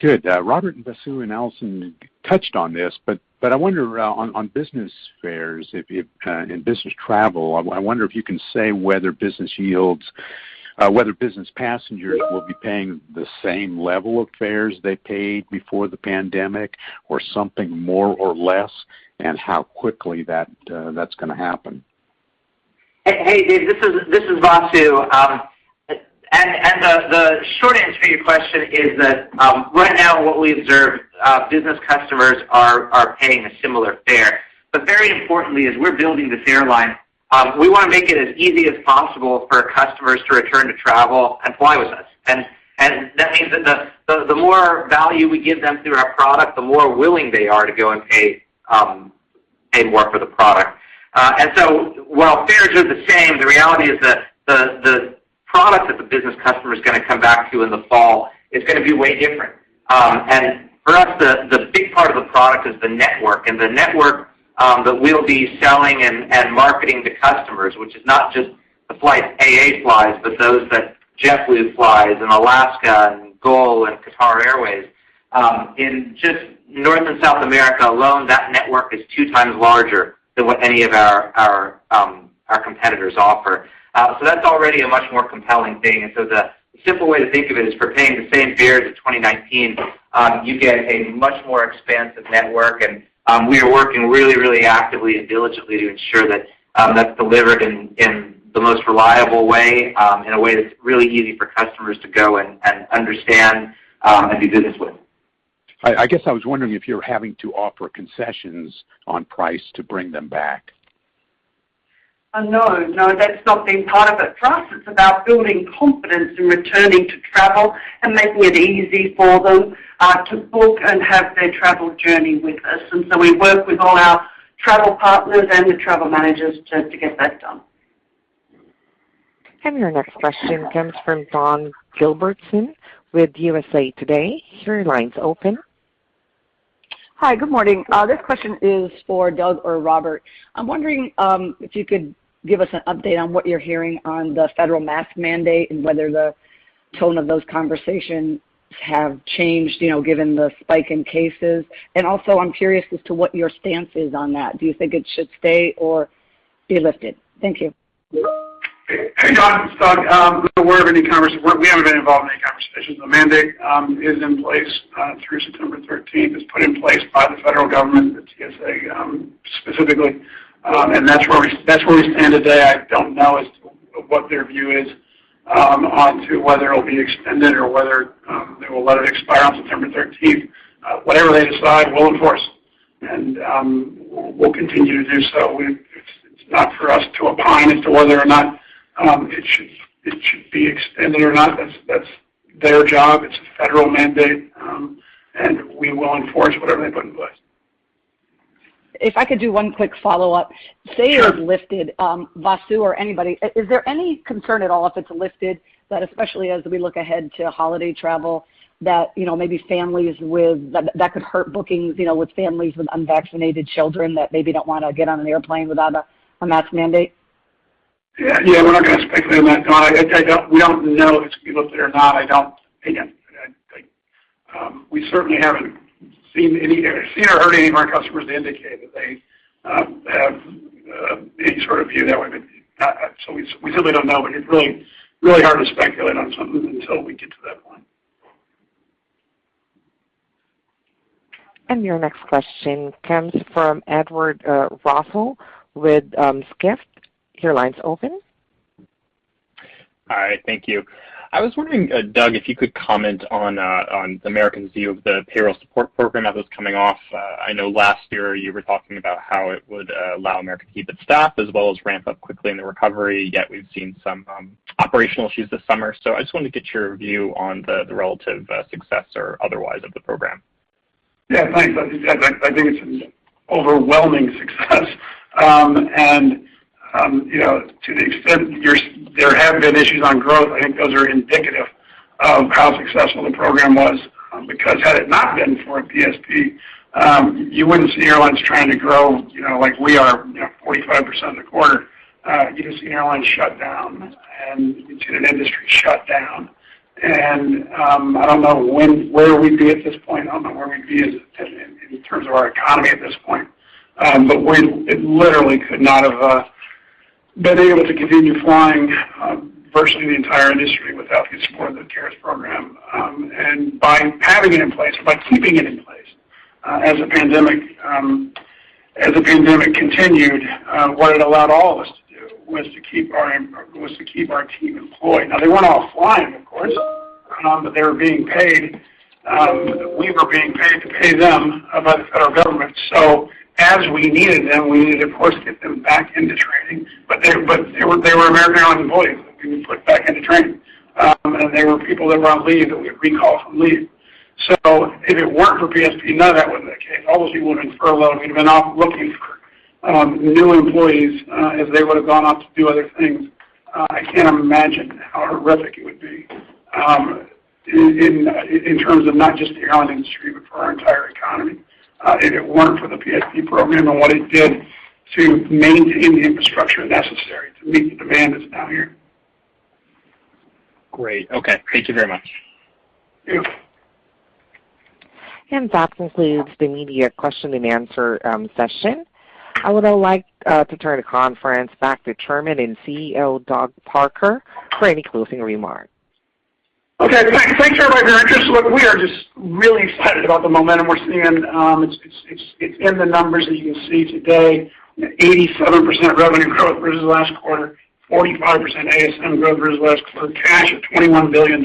U: Vasu and Alison touched on this. I wonder on business fares and business travel, I wonder if you can say whether business passengers will be paying the same level of fares they paid before the pandemic or something more or less, and how quickly that's going to happen?
G: Hey, David, this is Vasu. The short answer to your question is that right now what we observe, business customers are paying a similar fare. Very importantly, as we're building this airline, we want to make it as easy as possible for customers to return to travel and fly with us. That means that the more value we give them through our product, the more willing they are to go and pay more for the product. While fares are the same, the reality is that the product that the business customer is going to come back to in the fall is going to be way different. For us, the big part of the product is the network and the network that we'll be selling and marketing to customers, which is not just the flights AA flies, but those that JetBlue flies and Alaska and GOL and Qatar Airways. In just North and South America alone, that network is 2x larger than what any of our competitors offer. That's already a much more compelling thing. The simple way to think of it is for paying the same fares as 2019, you get a much more expansive network, and we are working really, really actively and diligently to ensure that's delivered in the most reliable way, in a way that's really easy for customers to go and understand, and do business with.
U: I guess I was wondering if you're having to offer concessions on price to bring them back?
H: No, that's not been part of it. For us, it's about building confidence in returning to travel and making it easy for them to book and have their travel journey with us. We work with all our travel partners and the travel managers to get that done.
A: Your next question comes from Dawn Gilbertson with USA Today. Your line's open.
V: Hi, good morning. This question is for Doug or Robert. I'm wondering if you could give us an update on what you're hearing on the federal mask mandate and whether the tone of those conversations have changed, given the spike in cases. Also, I'm curious as to what your stance is on that. Do you think it should stay or be lifted? Thank you.
C: Hey, Dawn, it's Doug. I'm not aware of any conversations. The mandate is in place through September 13th. It's put in place by the federal government, the TSA specifically. That's where we stand today. I don't know as to what their view is on to whether it'll be extended or whether they will let it expire on September 13th. Whatever they decide, we'll enforce. We'll continue to do so. It's not for us to opine as to whether or not it should be extended or not. That's their job. It's a federal mandate. We will enforce whatever they put in place.
V: If I could do one quick follow-up.
C: Sure.
V: Say it is lifted, Vasu or anybody, is there any concern at all if it's lifted that, especially as we look ahead to holiday travel, that could hurt bookings with families with unvaccinated children that maybe don't want to get on an airplane without a mask mandate?
C: Yeah, we're not going to speculate on that, Dawn. We don't know if it's going to be lifted or not. Again, we certainly haven't seen or heard any of our customers indicate that they have any sort of view that way. We simply don't know, but it's really hard to speculate on something until we get to that point.
A: Your next question comes from Edward Russell with Skift. Your line's open.
W: Hi, thank you. I was wondering, Doug, if you could comment on American's view of the Payroll Support Program that was coming off. I know last year you were talking about how it would allow American to keep its staff as well as ramp up quickly in the recovery, yet we've seen some operational issues this summer. I just wanted to get your view on the relative success or otherwise of the program.
C: Yeah, thanks. I think it's an overwhelming success. To the extent there have been issues on growth, I think those are indicative of how successful the program was, because had it not been for PSP, you wouldn't see airlines trying to grow like we are 45% in a quarter. You'd have seen airlines shut down, you'd seen an industry shut down, I don't know where we'd be at this point. I don't know where we'd be in terms of our economy at this point. We literally could not have been able to continue flying virtually the entire industry without the support of the CARES program. By having it in place, by keeping it in place as the pandemic continued, what it allowed all of us to do was to keep our team employed. Now, they weren't all flying, of course, but they were being paid. We were being paid to pay them by the federal government. As we needed them, we needed, of course, to get them back into training. They were American Airlines employees that we put back into training, and they were people that were on leave that we had to recall from leave. If it weren't for PSP, none of that would have been the case. All those people would have been furloughed. We'd have been off looking for new employees if they would have gone off to do other things. I can't even imagine how horrific it would be in terms of not just the airline industry, but for our entire economy if it weren't for the PSP program and what it did to maintain the infrastructure necessary to meet the demand that's now here.
W: Great. Okay. Thank you very much.
C: Yeah.
A: That concludes the media question and answer session. I would now like to turn the conference back to Chairman and CEO Doug Parker for any closing remarks.
C: Okay. Thanks, everybody. Look, we are just really excited about the momentum we're seeing. It's in the numbers, as you can see today, 87% revenue growth versus last quarter, 45% ASM growth versus last quarter, cash of $21 billion,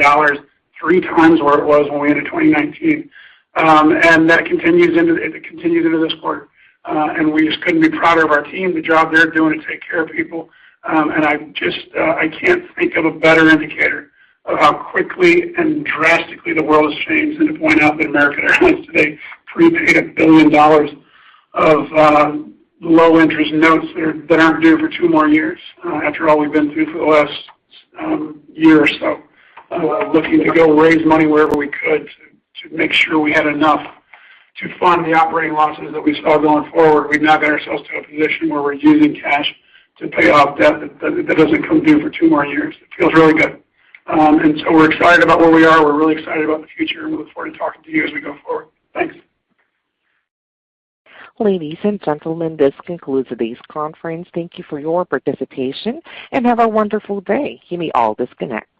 C: three times where it was when we ended 2019. That continues into this quarter. We just couldn't be prouder of our team, the job they're doing to take care of people. I can't think of a better indicator of how quickly and drastically the world has changed than to point out that American Airlines today prepaid $1 billion of low-interest notes that aren't due for two more years after all we've been through for the last year or so, looking to go raise money wherever we could to make sure we had enough to fund the operating losses that we saw going forward. We've now got ourselves to a position where we're using cash to pay off debt that doesn't come due for two more years. It feels really good. We're excited about where we are. We're really excited about the future, and we look forward to talking to you as we go forward. Thanks.
A: Ladies and gentlemen, this concludes today's conference. Thank you for your participation, and have a wonderful day. You may all disconnect.